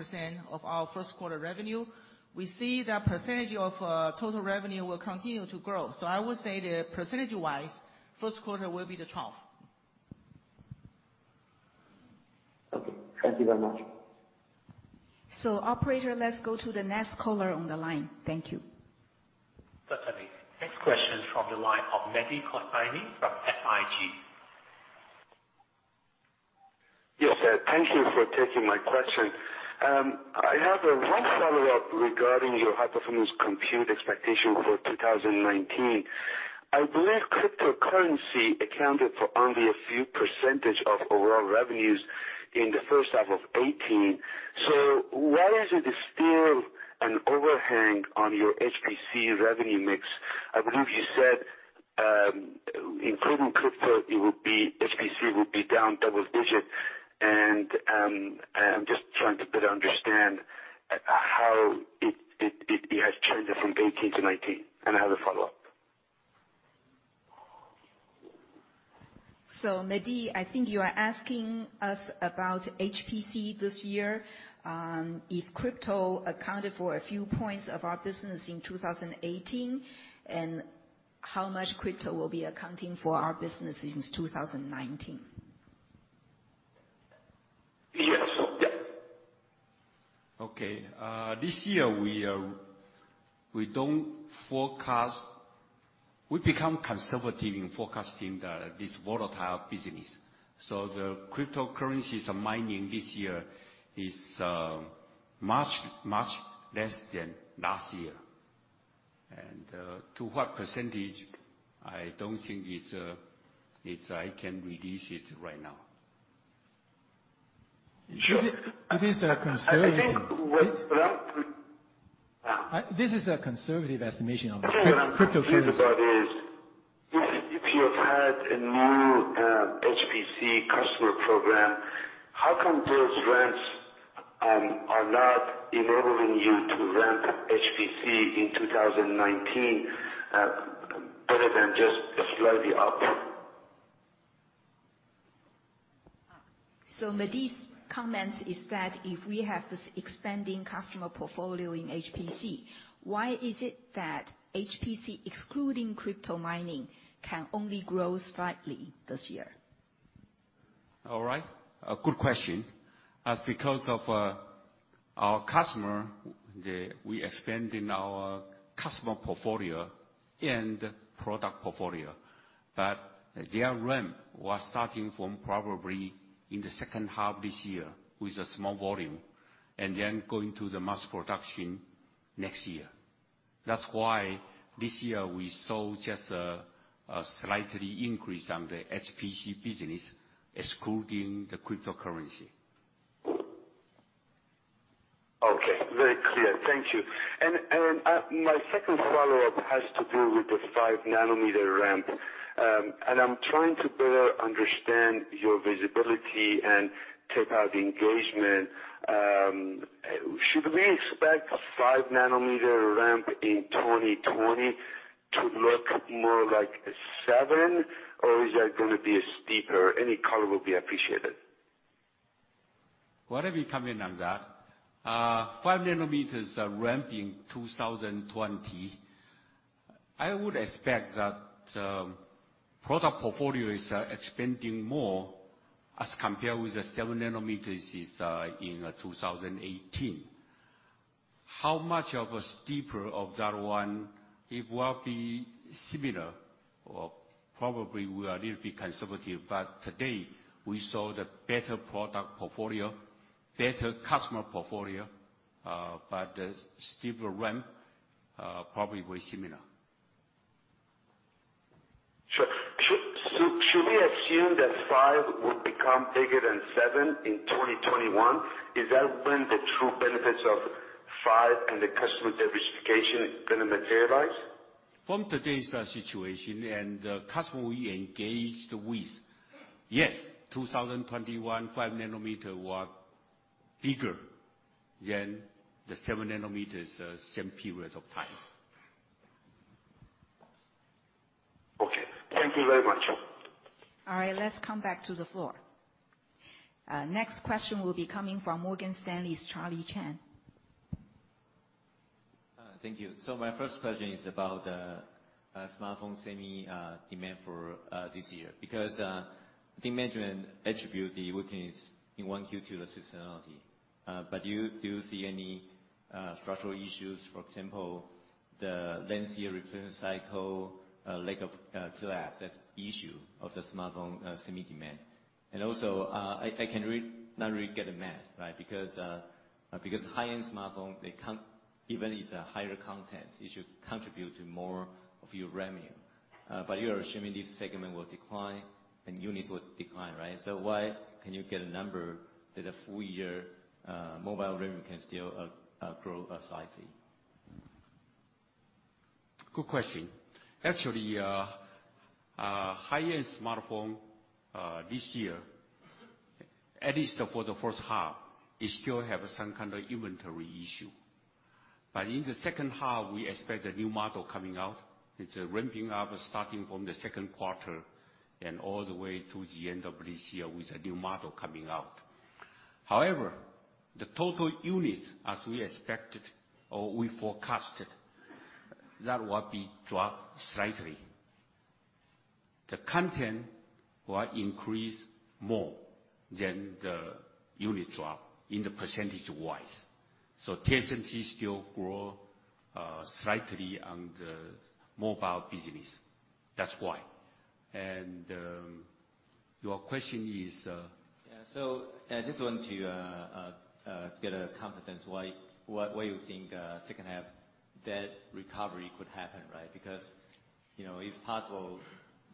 of our first quarter revenue. We see that percentage of total revenue will continue to grow. I would say that percentage-wise, first quarter will be the trough. Okay. Thank you very much. Operator, let's go to the next caller on the line. Thank you. Certainly. Next question from the line of Mehdi Hosseini from SIG. Yes, thank you for taking my question. I have one follow-up regarding your high performance compute expectation for 2019. I believe cryptocurrency accounted for only a few percentage of overall revenues in the first half of 2018. Why is it still an overhang on your HPC revenue mix? I believe you said, including crypto, HPC will be down double digit. I'm just trying to better understand 2018-2019. I have a follow-up. Mehdi, I think you are asking us about HPC this year, if crypto accounted for a few points of our business in 2018, and how much crypto will be accounting for our business in 2019. Yes. Okay. This year, we become conservative in forecasting this volatile business. The cryptocurrencies mining this year is much, much less than last year. To what percentage, I don't think I can release it right now. Sure. It is a conservative. I think what. Yeah. This is a conservative estimation on the cryptocurrency. What I'm confused about is, if you have had a new HPC customer program, how come those ramps are not enabling you to ramp HPC in 2019, other than just slightly up? Mehdi's comment is that if we have this expanding customer portfolio in HPC, why is it that HPC, excluding crypto mining, can only grow slightly this year? All right. A good question. As because of our customer, we expanding our customer portfolio and product portfolio. Their ramp was starting from probably in the second half this year, with a small volume, and then going to the mass production next year. That's why this year we saw just a slightly increase on the HPC business, excluding the cryptocurrency. Okay. Very clear. Thank you. My second follow-up has to do with the 5 nm ramp. I'm trying to better understand your visibility and tape out engagement. Should we expect a 5 nm ramp in 2020 to look more like a 7 nm, or is that going to be steeper? Any color will be appreciated. Let me come in on that. 5 nm ramp in 2020, I would expect that product portfolio is expanding more as compare with the 7 nm in 2018. How much of a steeper of that one, it will be similar, or probably we are a little bit conservative. Today, we saw the better product portfolio, better customer portfolio, but steeper ramp, probably very similar. Sure. Should we assume that five will become bigger than seven in 2021? Is that when the true benefits of five and the customer diversification is going to materialize? From today's situation and the customer we engaged with, yes. 2021 5 nm were bigger than the 7 nm, same period of time. Okay. Thank you very much. All right. Let's come back to the floor. Next question will be coming from Morgan Stanley's Charlie Chan. Thank you. My first question is about smartphone semi demand for this year. Because demand trend attribute the weakness in one Q2 seasonality. Do you see any structural issues, for example, the lengthier return cycle, lack of clear access issue of the smartphone semi demand? I cannot really get the math, right? Because high-end smartphone, even if it's a higher content, it should contribute to more of your revenue. You are assuming this segment will decline and units will decline, right? Why can you get a number that a full year mobile revenue can still grow slightly? Good question. Actually, high-end smartphone, this year, at least for the first half, it still have some kind of inventory issue. In the second half, we expect a new model coming out. It's ramping up, starting from the second quarter and all the way to the end of this year with a new model coming out. However, the total units as we expected or we forecasted, that will be dropped slightly. The content will increase more than the unit drop in the percentage-wise. TSMC still grow slightly on the mobile business. That's why. Your question is? Yeah. I just want to get a confidence why you think second half that recovery could happen, right? Because it's possible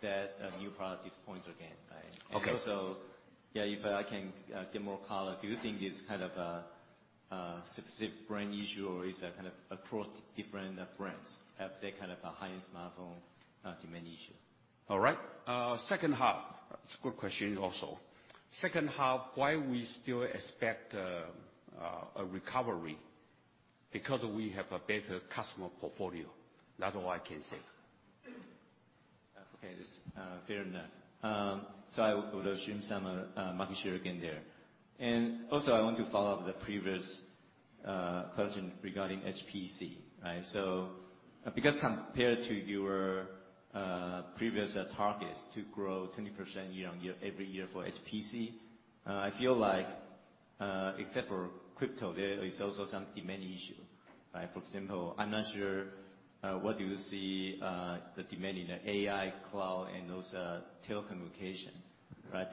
that a new product disappoints again, right? Okay. If I can get more color, do you think it's kind of a specific brand issue, or is that kind of across different brands, have that kind of a high-end smartphone demand issue? All right. Second half. It's a good question also. Second half, why we still expect a recovery? Because we have a better customer portfolio. That's all I can say. Okay. That's fair enough. I would assume some market share gain there. I want to follow up the previous question regarding HPC, right? Compared to your previous targets to grow 20% year-on-year every year for HPC, I feel like except for crypto, there is also some demand issue, right? For example, I'm not sure what you see the demand in the AI, cloud, and also telecommunication, right?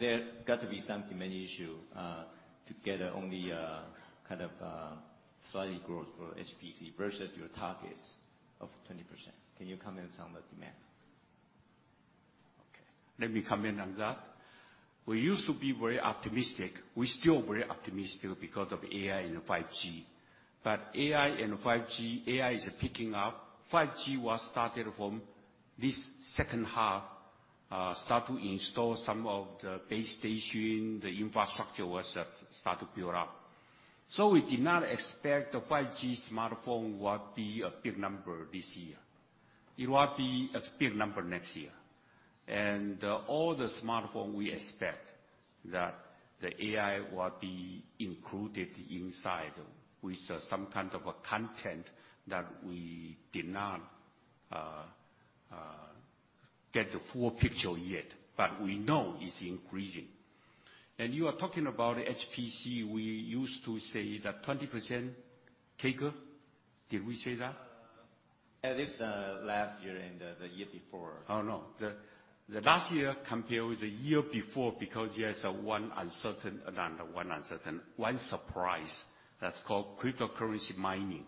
There got to be some demand issue to get only a kind of slight growth for HPC versus your targets of 20%. Can you comment on the demand? Okay. Let me comment on that. We used to be very optimistic. We're still very optimistic because of AI and 5G. AI and 5G, AI is picking up. 5G was started from this second half, start to install some of the base station. The infrastructure was start to build up. We did not expect the 5G smartphone will be a big number this year. It will be a big number next year. All the smartphone, we expect that the AI will be included inside with some kind of a content that we did not get the full picture yet. We know it's increasing. You are talking about HPC, we used to say that 20% CAGR. Did we say that? At least last year and the year before. The last year compared with the year before, because there's one surprise that's called cryptocurrency mining.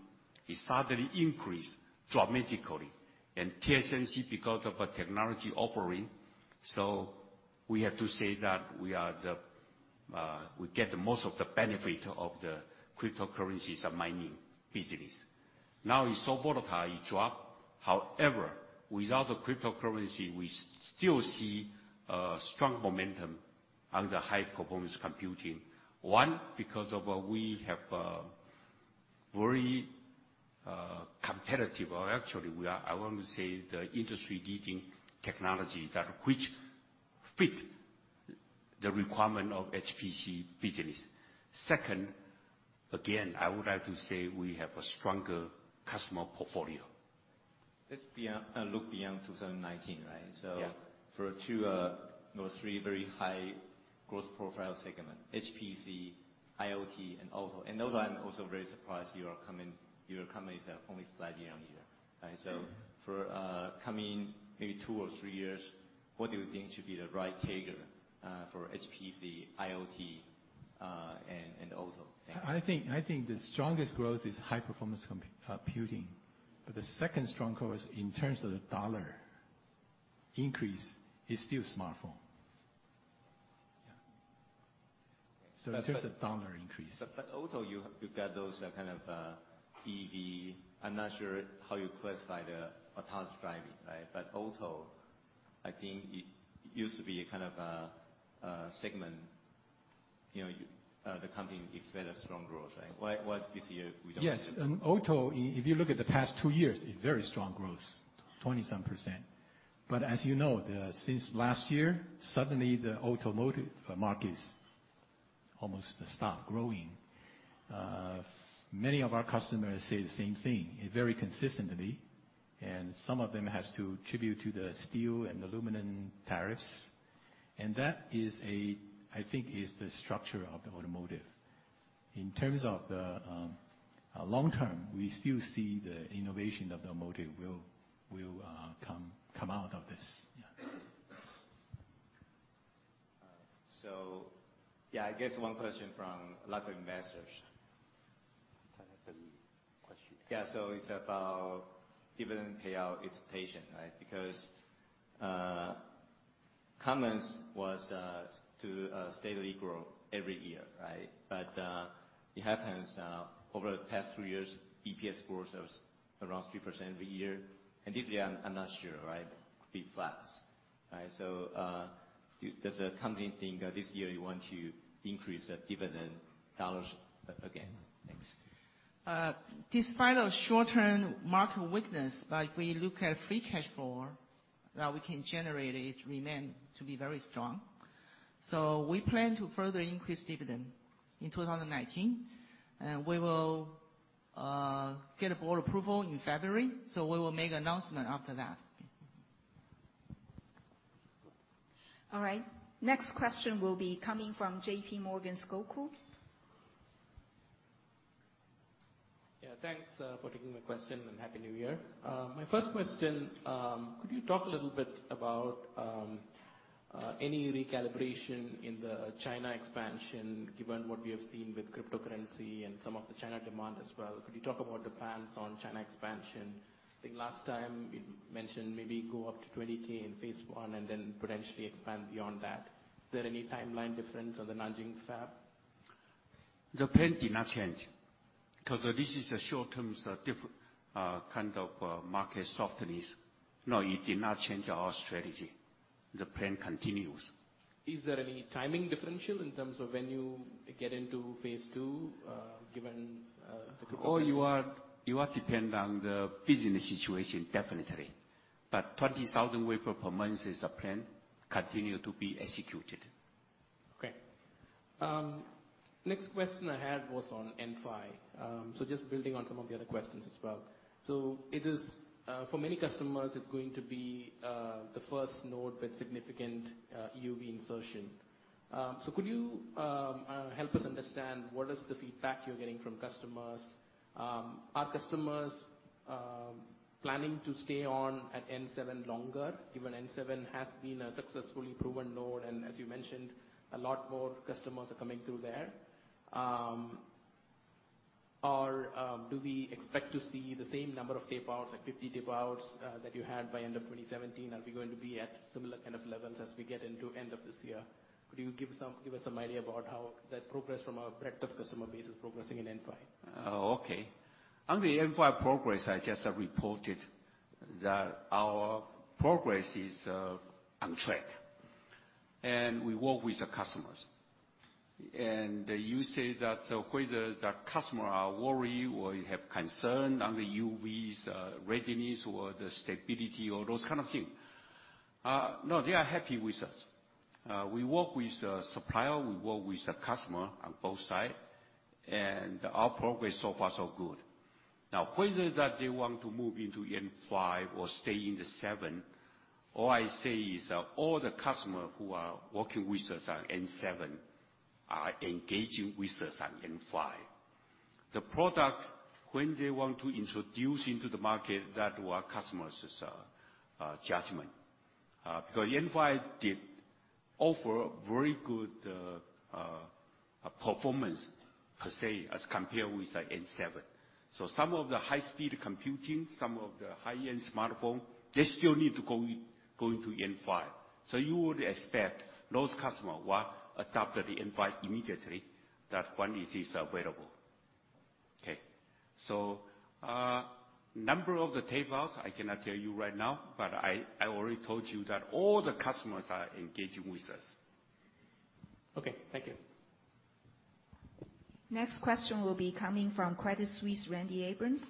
It suddenly increased dramatically. TSMC, because of a technology offering. We have to say that we get the most of the benefit of the cryptocurrencies, the mining business. Now it's so volatile, it dropped. Without the cryptocurrency, we still see strong momentum on the HPC. One, because of we have very competitive, or actually, I want to say the industry-leading technology that which fit the requirement of HPC business. Second, again, I would like to say we have a stronger customer portfolio. Let's look beyond 2019, right? Yeah. For two or three very high growth profile segment, HPC, IoT, and also another one I'm also very surprised your company is only flat year-over-year, right? For coming maybe two or three years, what do you think should be the right CAGR for HPC, IoT, and auto? Thanks. I think the strongest growth is high-performance computing. The second strongest, in terms of the dollar increase, is still smartphone. Yeah. In terms of dollar increase. Auto, you've got those kind of EV I'm not sure how you classify the autonomous driving, right? Auto, I think it used to be a kind of a segment the company expected strong growth, right? Why this year we don't see that? Yes. Auto, if you look at the past two years, a very strong growth, 20-some percent. As you know, since last year, suddenly the automotive market is almost stopped growing. Many of our customers say the same thing, very consistently, and some of them has to attribute to the steel and aluminum tariffs, and that is, I think, is the structure of the automotive. In terms of the long term, we still see the innovation of the automotive will come out of this. Yeah. Yeah, I guess one question from lots of investors. The question. Yeah. It's about dividend payout expectation, right? Comments was to steadily grow every year, right? It happens over the past few years, EPS growth was around 3% every year, this year, I'm not sure, right? It could be flat. Does the company think that this year you want to increase the dividend dollars again? Thanks. Despite a short-term market weakness, if we look at free cash flow that we can generate, it remain to be very strong. We plan to further increase dividend in 2019. We will get a board approval in February, we will make announcement after that. All right. Next question will be coming from JPMorgan's Gokul. Yeah. Thanks for taking my question. Happy New Year. My first question, could you talk a little bit about any recalibration in the China expansion, given what we have seen with cryptocurrency and some of the China demand as well? Could you talk about the plans on China expansion? I think last time you mentioned maybe go up to 20,000 in phase I and then potentially expand beyond that. Is there any timeline difference on the Nanjing fab? The plan did not change because this is a short-term different kind of market softness. No, it did not change our strategy. The plan continues. Is there any timing differential in terms of when you get into phase two, given the? You are depend on the business situation definitely. 20,000 wafer per month is a plan, continue to be executed. Okay. Next question I had was on N5. Just building on some of the other questions as well. For many customers, it's going to be the first node with significant EUV insertion. Could you help us understand what is the feedback you're getting from customers? Are customers planning to stay on at N7 longer, given N7 has been a successfully proven node, and as you mentioned, a lot more customers are coming through there? Do we expect to see the same number of tape outs, like 50 tape outs that you had by end of 2017? Are we going to be at similar kind of levels as we get into end of this year? Could you give us some idea about how that progress from a breadth of customer base is progressing in N5? Okay. On the N5 progress, I just have reported that our progress is on track, and we work with the customers. You say that whether the customer are worried or have concern on the EUV's readiness or the stability or those kind of thing. No, they are happy with us. We work with the supplier, we work with the customer on both side, and our progress so far so good. Whether that they want to move into N5 or stay in the N7, all I say is all the customer who are working with us on N7 are engaging with us on N5. The product, when they want to introduce into the market, that were customers' judgment. N5 did offer very good performance, per se, as compared with the N7. Some of the high-speed computing, some of the high-end smartphone, they still need to go into N5. You would expect those customer will adopt the N5 immediately that when it is available. Okay. Number of the tape outs, I cannot tell you right now, but I already told you that all the customers are engaging with us. Okay. Thank you. Next question will be coming from Credit Suisse, Randy Abrams.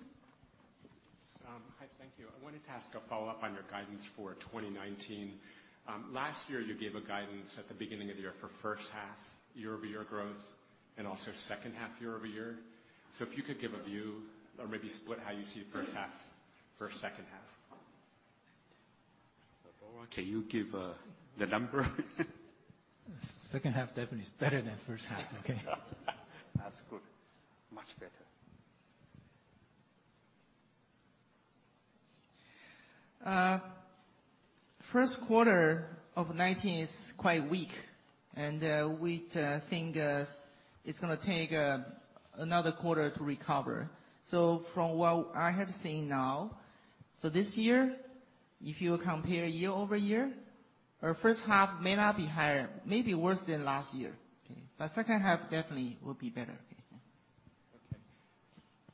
Hi, thank you. I wanted to ask a follow-up on your guidance for 2019. Last year, you gave a guidance at the beginning of the year for first half year-over-year growth and also second half year-over-year. If you could give a view or maybe split how you see first half for second half. Lora, can you give the number? Second half definitely is better than first half. Okay. That's good. Much better. First quarter of 2019 is quite weak, and we think it's going to take another quarter to recover. From what I have seen now, for this year, if you compare year-over-year, our first half may not be higher, maybe worse than last year. Okay. Second half definitely will be better.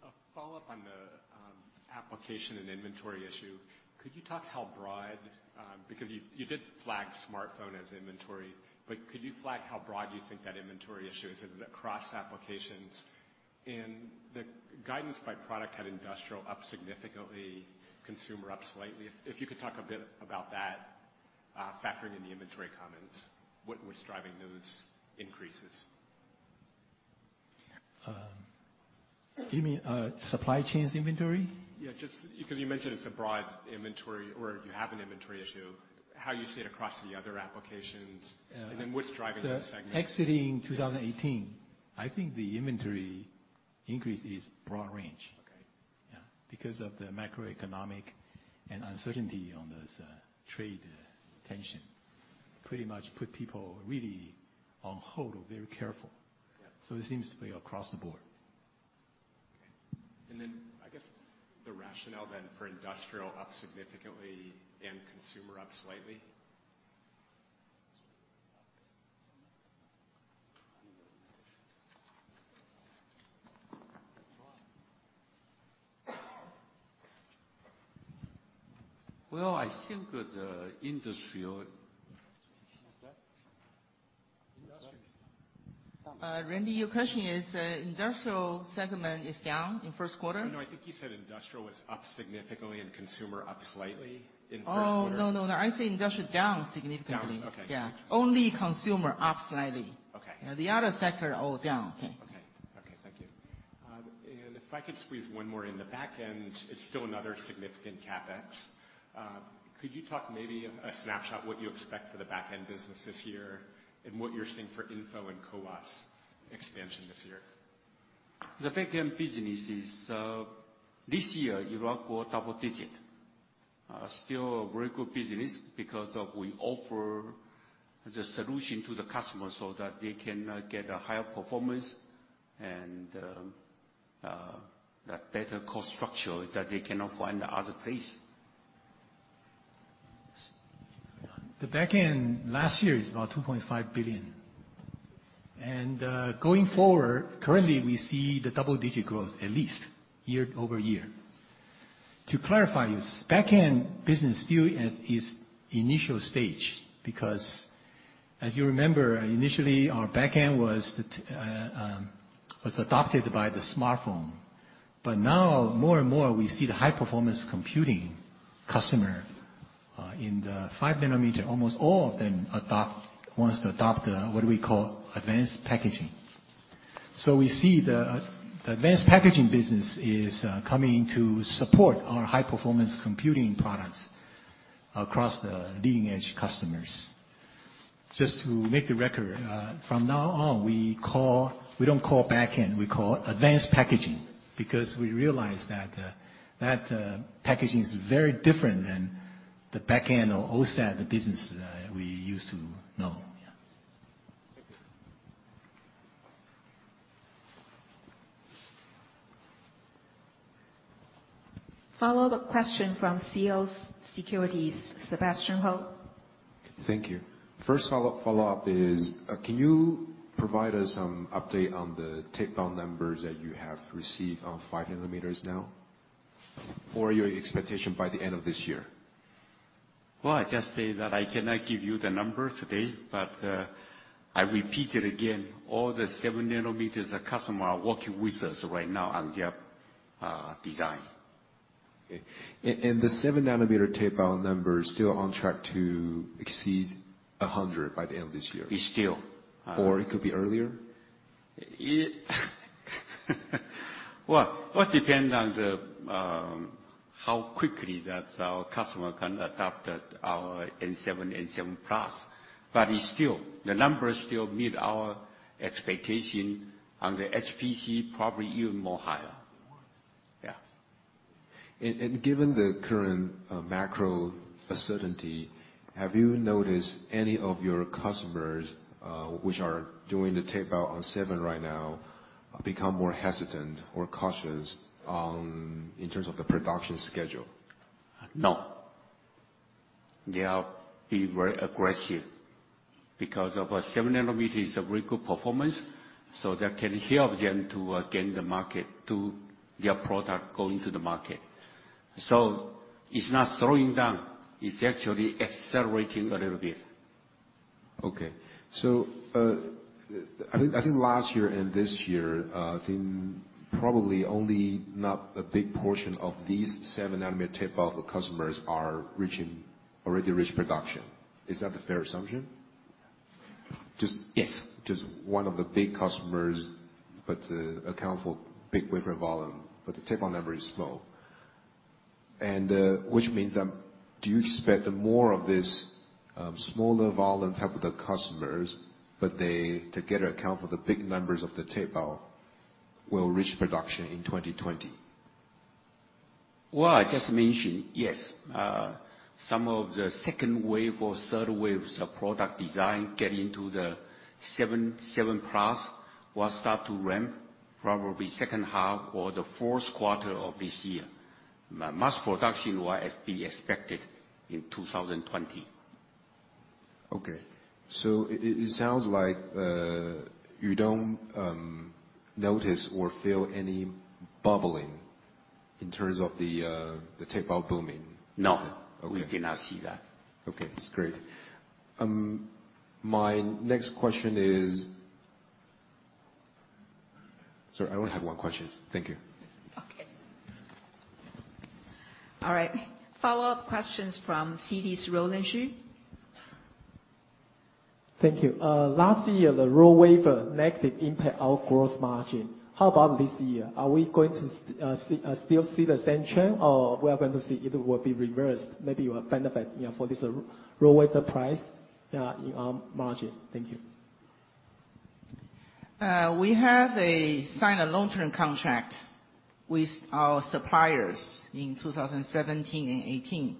A follow-up on the application and inventory issue. You did flag smartphone as inventory, but could you flag how broad you think that inventory issue is? Is it across applications? The guidance by product had industrial up significantly, consumer up slightly. If you could talk a bit about that, factoring in the inventory comments, what was driving those increases? You mean supply chains inventory? Yeah, just because you mentioned it's a broad inventory or you have an inventory issue, how you see it across the other applications. Yeah. What's driving those segments? Exiting 2018, I think the inventory increase is broad range. Okay. Yeah. Because of the macroeconomic and uncertainty on those trade tension pretty much put people really on hold or very careful. Yeah. It seems to be across the board. Okay. I guess the rationale then for industrial up significantly and consumer up slightly? Well, I think with the industrial Randy, your question is industrial segment is down in first quarter? No, I think you said industrial was up significantly and consumer up slightly in first quarter. Oh, no, I say industrial down significantly. Down, okay. Yeah. Only consumer up slightly. Okay. The other sector all down. Okay. Thank you. If I could squeeze one more in. The back end, it's still another significant CapEx. Could you talk maybe a snapshot what you expect for the back-end business this year and what you're seeing for InFO and CoWoS expansion this year? The back-end business is, this year it will grow double-digit. Still a very good business because of we offer the solution to the customer so that they can get a higher performance and that better cost structure that they cannot find other place. The back end last year is about 2.5 billion. Going forward, currently we see the double-digit growth at least year-over-year. To clarify this, back end business still is initial stage because, as you remember, initially our back end was adopted by the smartphone. Now more and more, we see the high-performance computing customer in the 5 nm, almost all of them wants to adopt what we call advanced packaging. So we see the advanced packaging business is coming to support our high-performance computing products across the leading-edge customers. Just to make the record, from now on, we don't call back end, we call advanced packaging because we realize that that packaging is very different than the back end or OSAT, the business that we used to know. Yeah. Thank you. Follow the question from CL Securities, Sebastian Hou. Thank you. First follow-up is, can you provide us some update on the tape-out numbers that you have received on 5 nm now? Your expectation by the end of this year? Well, I just say that I cannot give you the number today, I repeat it again, all the 7 nm customer are working with us right now on their design. Okay. The 7 nm tape-out numbers still on track to exceed 100 by the end of this year? It's still. It could be earlier? Well, depends on how quickly that our customer can adopt our N7 and N7+. The numbers still meet our expectation, on the HPC, probably even more higher. Yeah. Given the current macro uncertainty, have you noticed any of your customers, which are doing the tape-out on seven right now, become more hesitant or cautious in terms of the production schedule? No. They are being very aggressive because of our 7 nm is a very good performance, that can help them to gain the market to their product going to the market. It's not slowing down, it's actually accelerating a little bit. Okay. I think last year and this year, I think probably only not a big portion of these 7 nm tape-out for customers are already reached production. Is that a fair assumption? Yes. Just one of the big customers, but account for big wafer volume, but the tape-out number is small. Which means that do you expect the more of this smaller volume type of the customers, but they together account for the big numbers of the tape-out will reach production in 2020? Well, I just mentioned, yes, some of the second wave or third waves of product design get into the N7/N7+ will start to ramp probably second half or the fourth quarter of this year. Mass production will be expected in 2020. Okay. It sounds like you don't notice or feel any bubbling in terms of the tape-out booming. No. Okay. We cannot see that. Okay. That's great. My next question is Sorry, I only have one question. Thank you. Okay. All right. Follow-up questions from Citi's Roland Shu. Thank you. Last year, the raw wafer negative impact our gross margin. How about this year? Are we going to still see the same trend, or we are going to see it will be reversed, maybe you will benefit, for this raw wafer price in our margin? Thank you. We have signed a long-term contract with our suppliers in 2017 and 2018,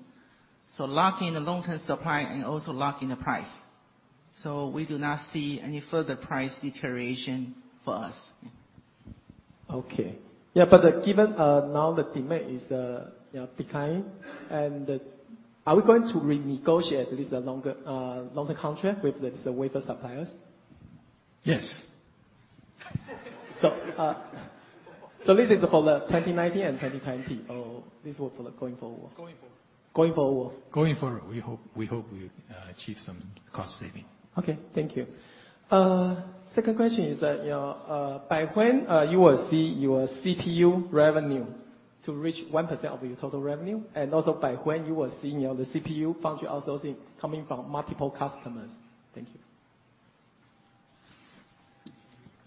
lock in the long-term supply and also lock in the price. We do not see any further price deterioration for us. Okay. Yeah, given now the demand is declining, are we going to renegotiate this longer contract with these wafer suppliers? Yes. This is for the 2019 and 2020, or this is for the going forward? Going forward. Going forward, we hope we achieve some cost saving. Okay. Thank you. Second question is that, by when you will see your CPU revenue to reach 1% of your total revenue, and also by when you will see the CPU foundry outsourcing coming from multiple customers? Thank you.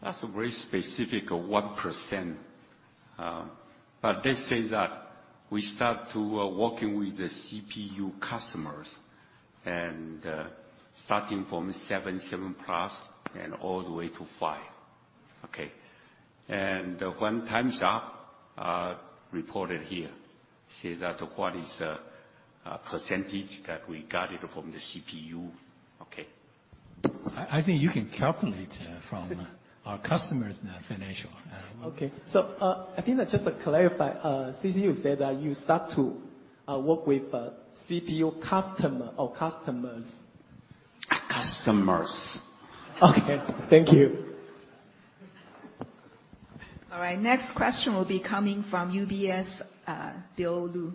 That's a very specific 1%. Let's say that we start to working with the CPU customers and starting from 7 nm/N7+ and all the way to five. Okay? When time's up, report it here. Say that what is % that we got it from the CPU. Okay? I think you can calculate from our customer's financial. I think just to clarify, since you said that you start to work with CPU customer or customers. Customers. Okay, thank you. All right, next question will be coming from UBS, Bill Lu.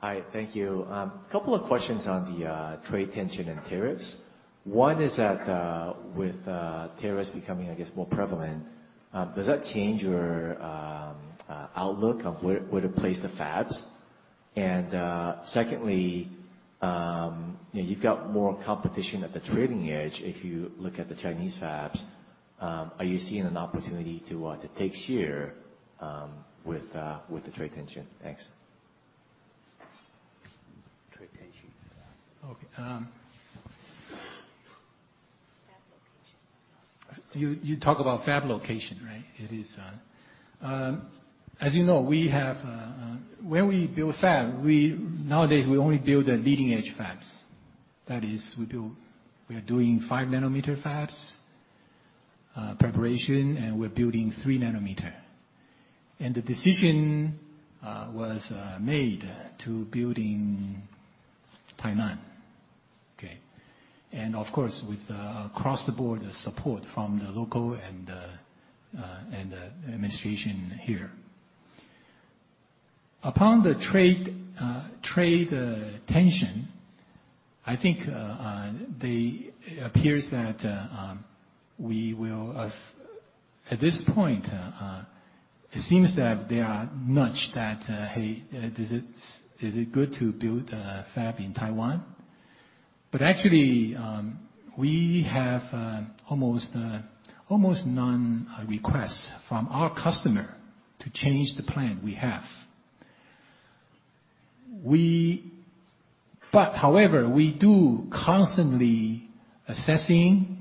Hi, thank you. Couple of questions on the trade tension and tariffs. One is that, with tariffs becoming, I guess, more prevalent, does that change your outlook on where to place the fabs? Secondly, you've got more competition at the trailing edge if you look at the Chinese fabs, are you seeing an opportunity to take share with the trade tension? Thanks. Trade tension. Fab locations. You talk about fab location, right? As you know, when we build fab, nowadays, we only build leading-edge fabs. That is, we are doing 5 nm fabs preparation, and we're building 3 nm. The decision was made to build in Taiwan. Okay. Of course, with across the board support from the local and administration here. Upon the trade tension, I think it appears that at this point, it seems that they are nudged that, "Hey, is it good to build a fab in Taiwan?" Actually, we have almost none requests from our customer to change the plan we have. However, we do constantly assessing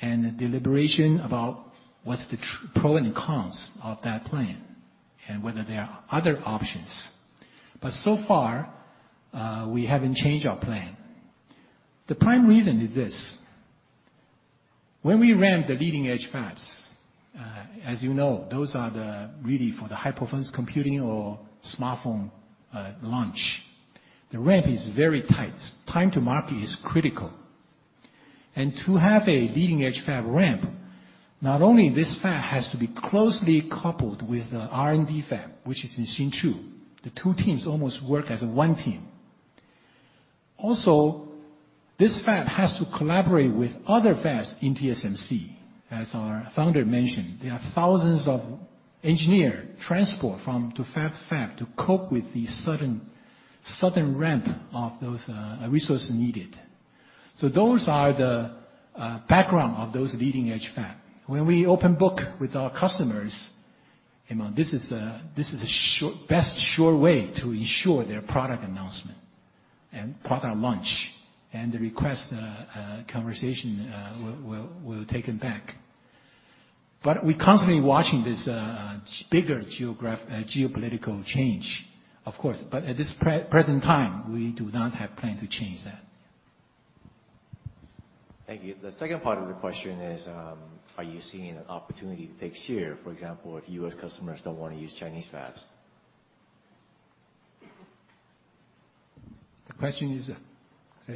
and deliberation about what's the pros and cons of that plan, and whether there are other options. So far, we haven't changed our plan. The prime reason is this, when we ramp the leading-edge fabs, as you know, those are really for the high-performance computing or smartphone launch. The ramp is very tight. Time to market is critical. To have a leading-edge fab ramp, not only this fab has to be closely coupled with the R&D fab, which is in Hsinchu. The two teams almost work as one team. Also, this fab has to collaborate with other fabs in TSMC. As our Founder mentioned, there are thousands of engineer transport from fab to fab to cope with the sudden ramp of those resources needed. Those are the background of those leading-edge fab. When we open book with our customers, this is a best sure way to ensure their product announcement and product launch, and the request conversation will take them back. We're constantly watching this bigger geopolitical change, of course. At this present time, we do not have plan to change that. Thank you. The second part of the question is, are you seeing an opportunity to take share? For example, if U.S. customers don't want to use Chinese fabs. The question is, say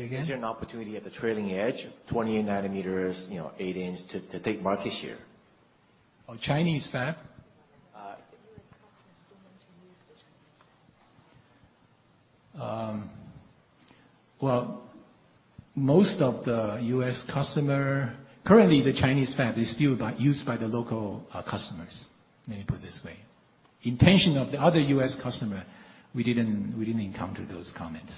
it again. Is there an opportunity at the trailing edge, 28 nm, 8 in to take market share? Oh, Chinese fab? If U.S. customers don't want to use the Chinese fabs. Well, currently, the Chinese fab is still used by the local customers. Let me put it this way. Intention of the other U.S. customer, we didn't encounter those comments.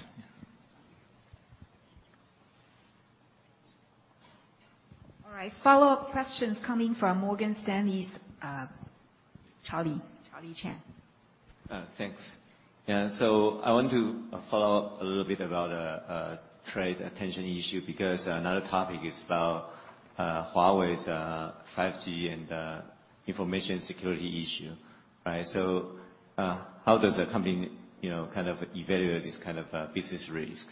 All right. Follow-up questions coming from Morgan Stanley's Charlie Chan. Thanks. I want to follow up a little bit about trade tension issue because another topic is about Huawei's 5G and information security issue, right? How does a company kind of evaluate this kind of business risk?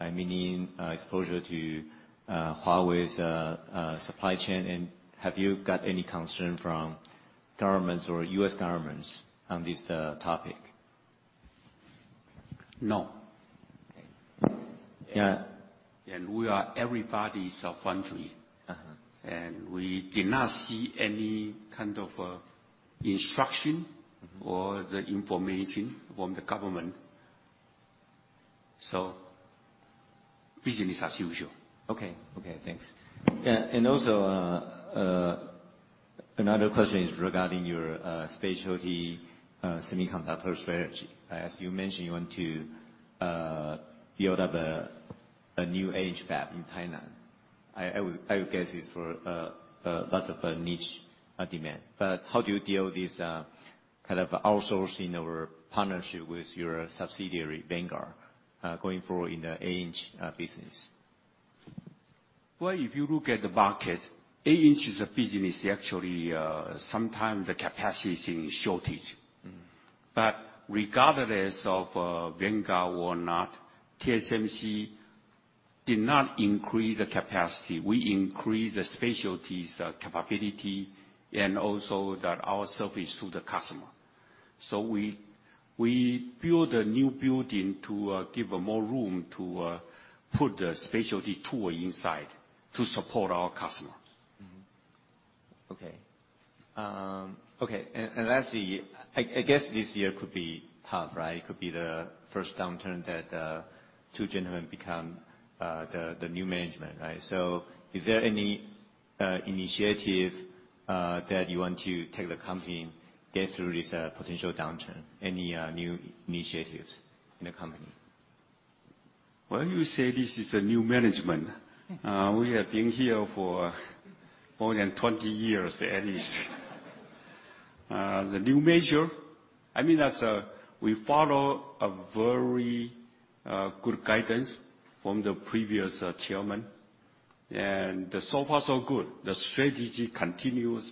Meaning exposure to Huawei's supply chain, and have you got any concern from governments or U.S. governments on this topic? No. Okay. We are everybody's. We did not see any kind of instruction or the information from the government. Business as usual. Okay. Thanks. Another question is regarding your specialty semiconductor strategy. As you mentioned, you want to build up a new 8 in fab in Tainan. I would guess it's for lots of niche demand. How do you deal with this kind of outsourcing or partnership with your subsidiary, Vanguard, going forward in the 8 in business? If you look at the market, 8 in business actually sometimes the capacity is in shortage. Regardless of Vanguard or not, TSMC did not increase the capacity. We increased the specialty capability and also our service to the customer. We build a new building to give more room to put the specialty tool inside to support our customers. Okay. Lastly, I guess this year could be tough, right? It could be the first downturn that the two gentlemen become the new management. Is there any initiative that you want to take the company get through this potential downturn? Any new initiatives in the company? Well, you say this is a new management. We have been here for more than 20 years at least. The new management, we follow a very good guidance from the previous chairman. So far so good. The strategy continues,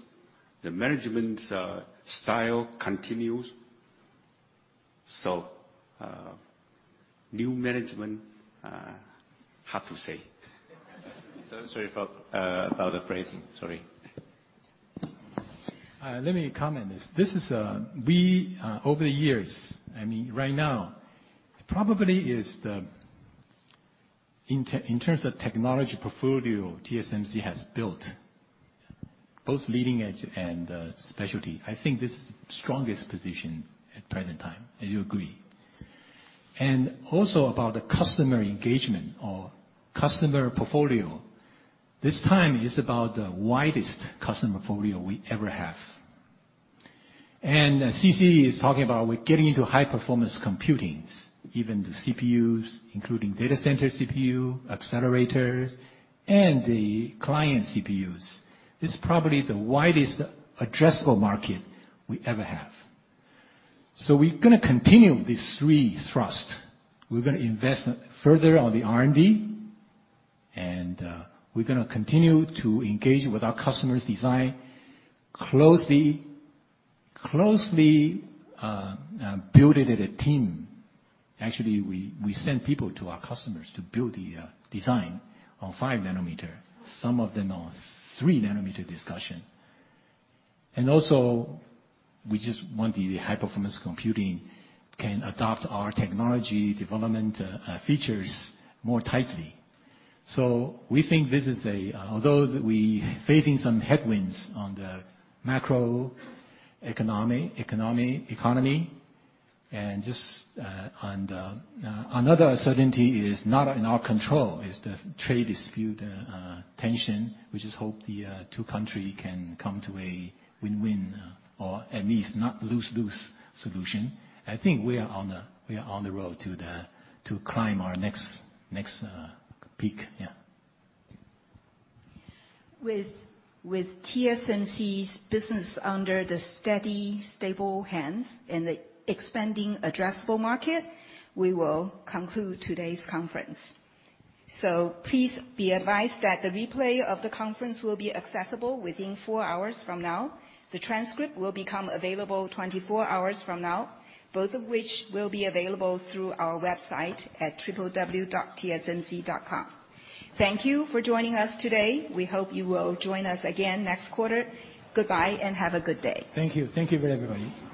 the management style continues. New management, hard to say. Sorry for the phrasing. Sorry. Let me comment this. Over the years, right now, probably in terms of technology portfolio, TSMC has built both leading edge and specialty. I think this is the strongest position at the present time. I agree. Also about the customer engagement or customer portfolio. This time is about the widest customer portfolio we ever have. C.C. is talking about we're getting into high-performance computings, even the CPUs, including data center CPU, accelerators, and the client CPUs. It's probably the widest addressable market we ever have. We're going to continue these three thrusts. We're going to invest further on the R&D, and we're going to continue to engage with our customers' design closely, build it as a team. Actually, we send people to our customers to build the design on 5 nm, some of them on 3 nm discussion. Also, we just want the high-performance computing can adopt our technology development features more tightly. We think although that we're facing some headwinds on the macroeconomic economy, and just on the another uncertainty is not in our control is the trade dispute tension. We just hope the two countries can come to a win-win, or at least not lose-lose solution. I think we are on the road to climb our next peak. Yeah. Thanks. With TSMC's business under the steady, stable hands and the expanding addressable market, we will conclude today's conference. Please be advised that the replay of the conference will be accessible within four hours from now. The transcript will become available 24 hours from now, both of which will be available through our website at www.tsmc.com. Thank you for joining us today. We hope you will join us again next quarter. Goodbye and have a good day. Thank you. Thank you very much everybody.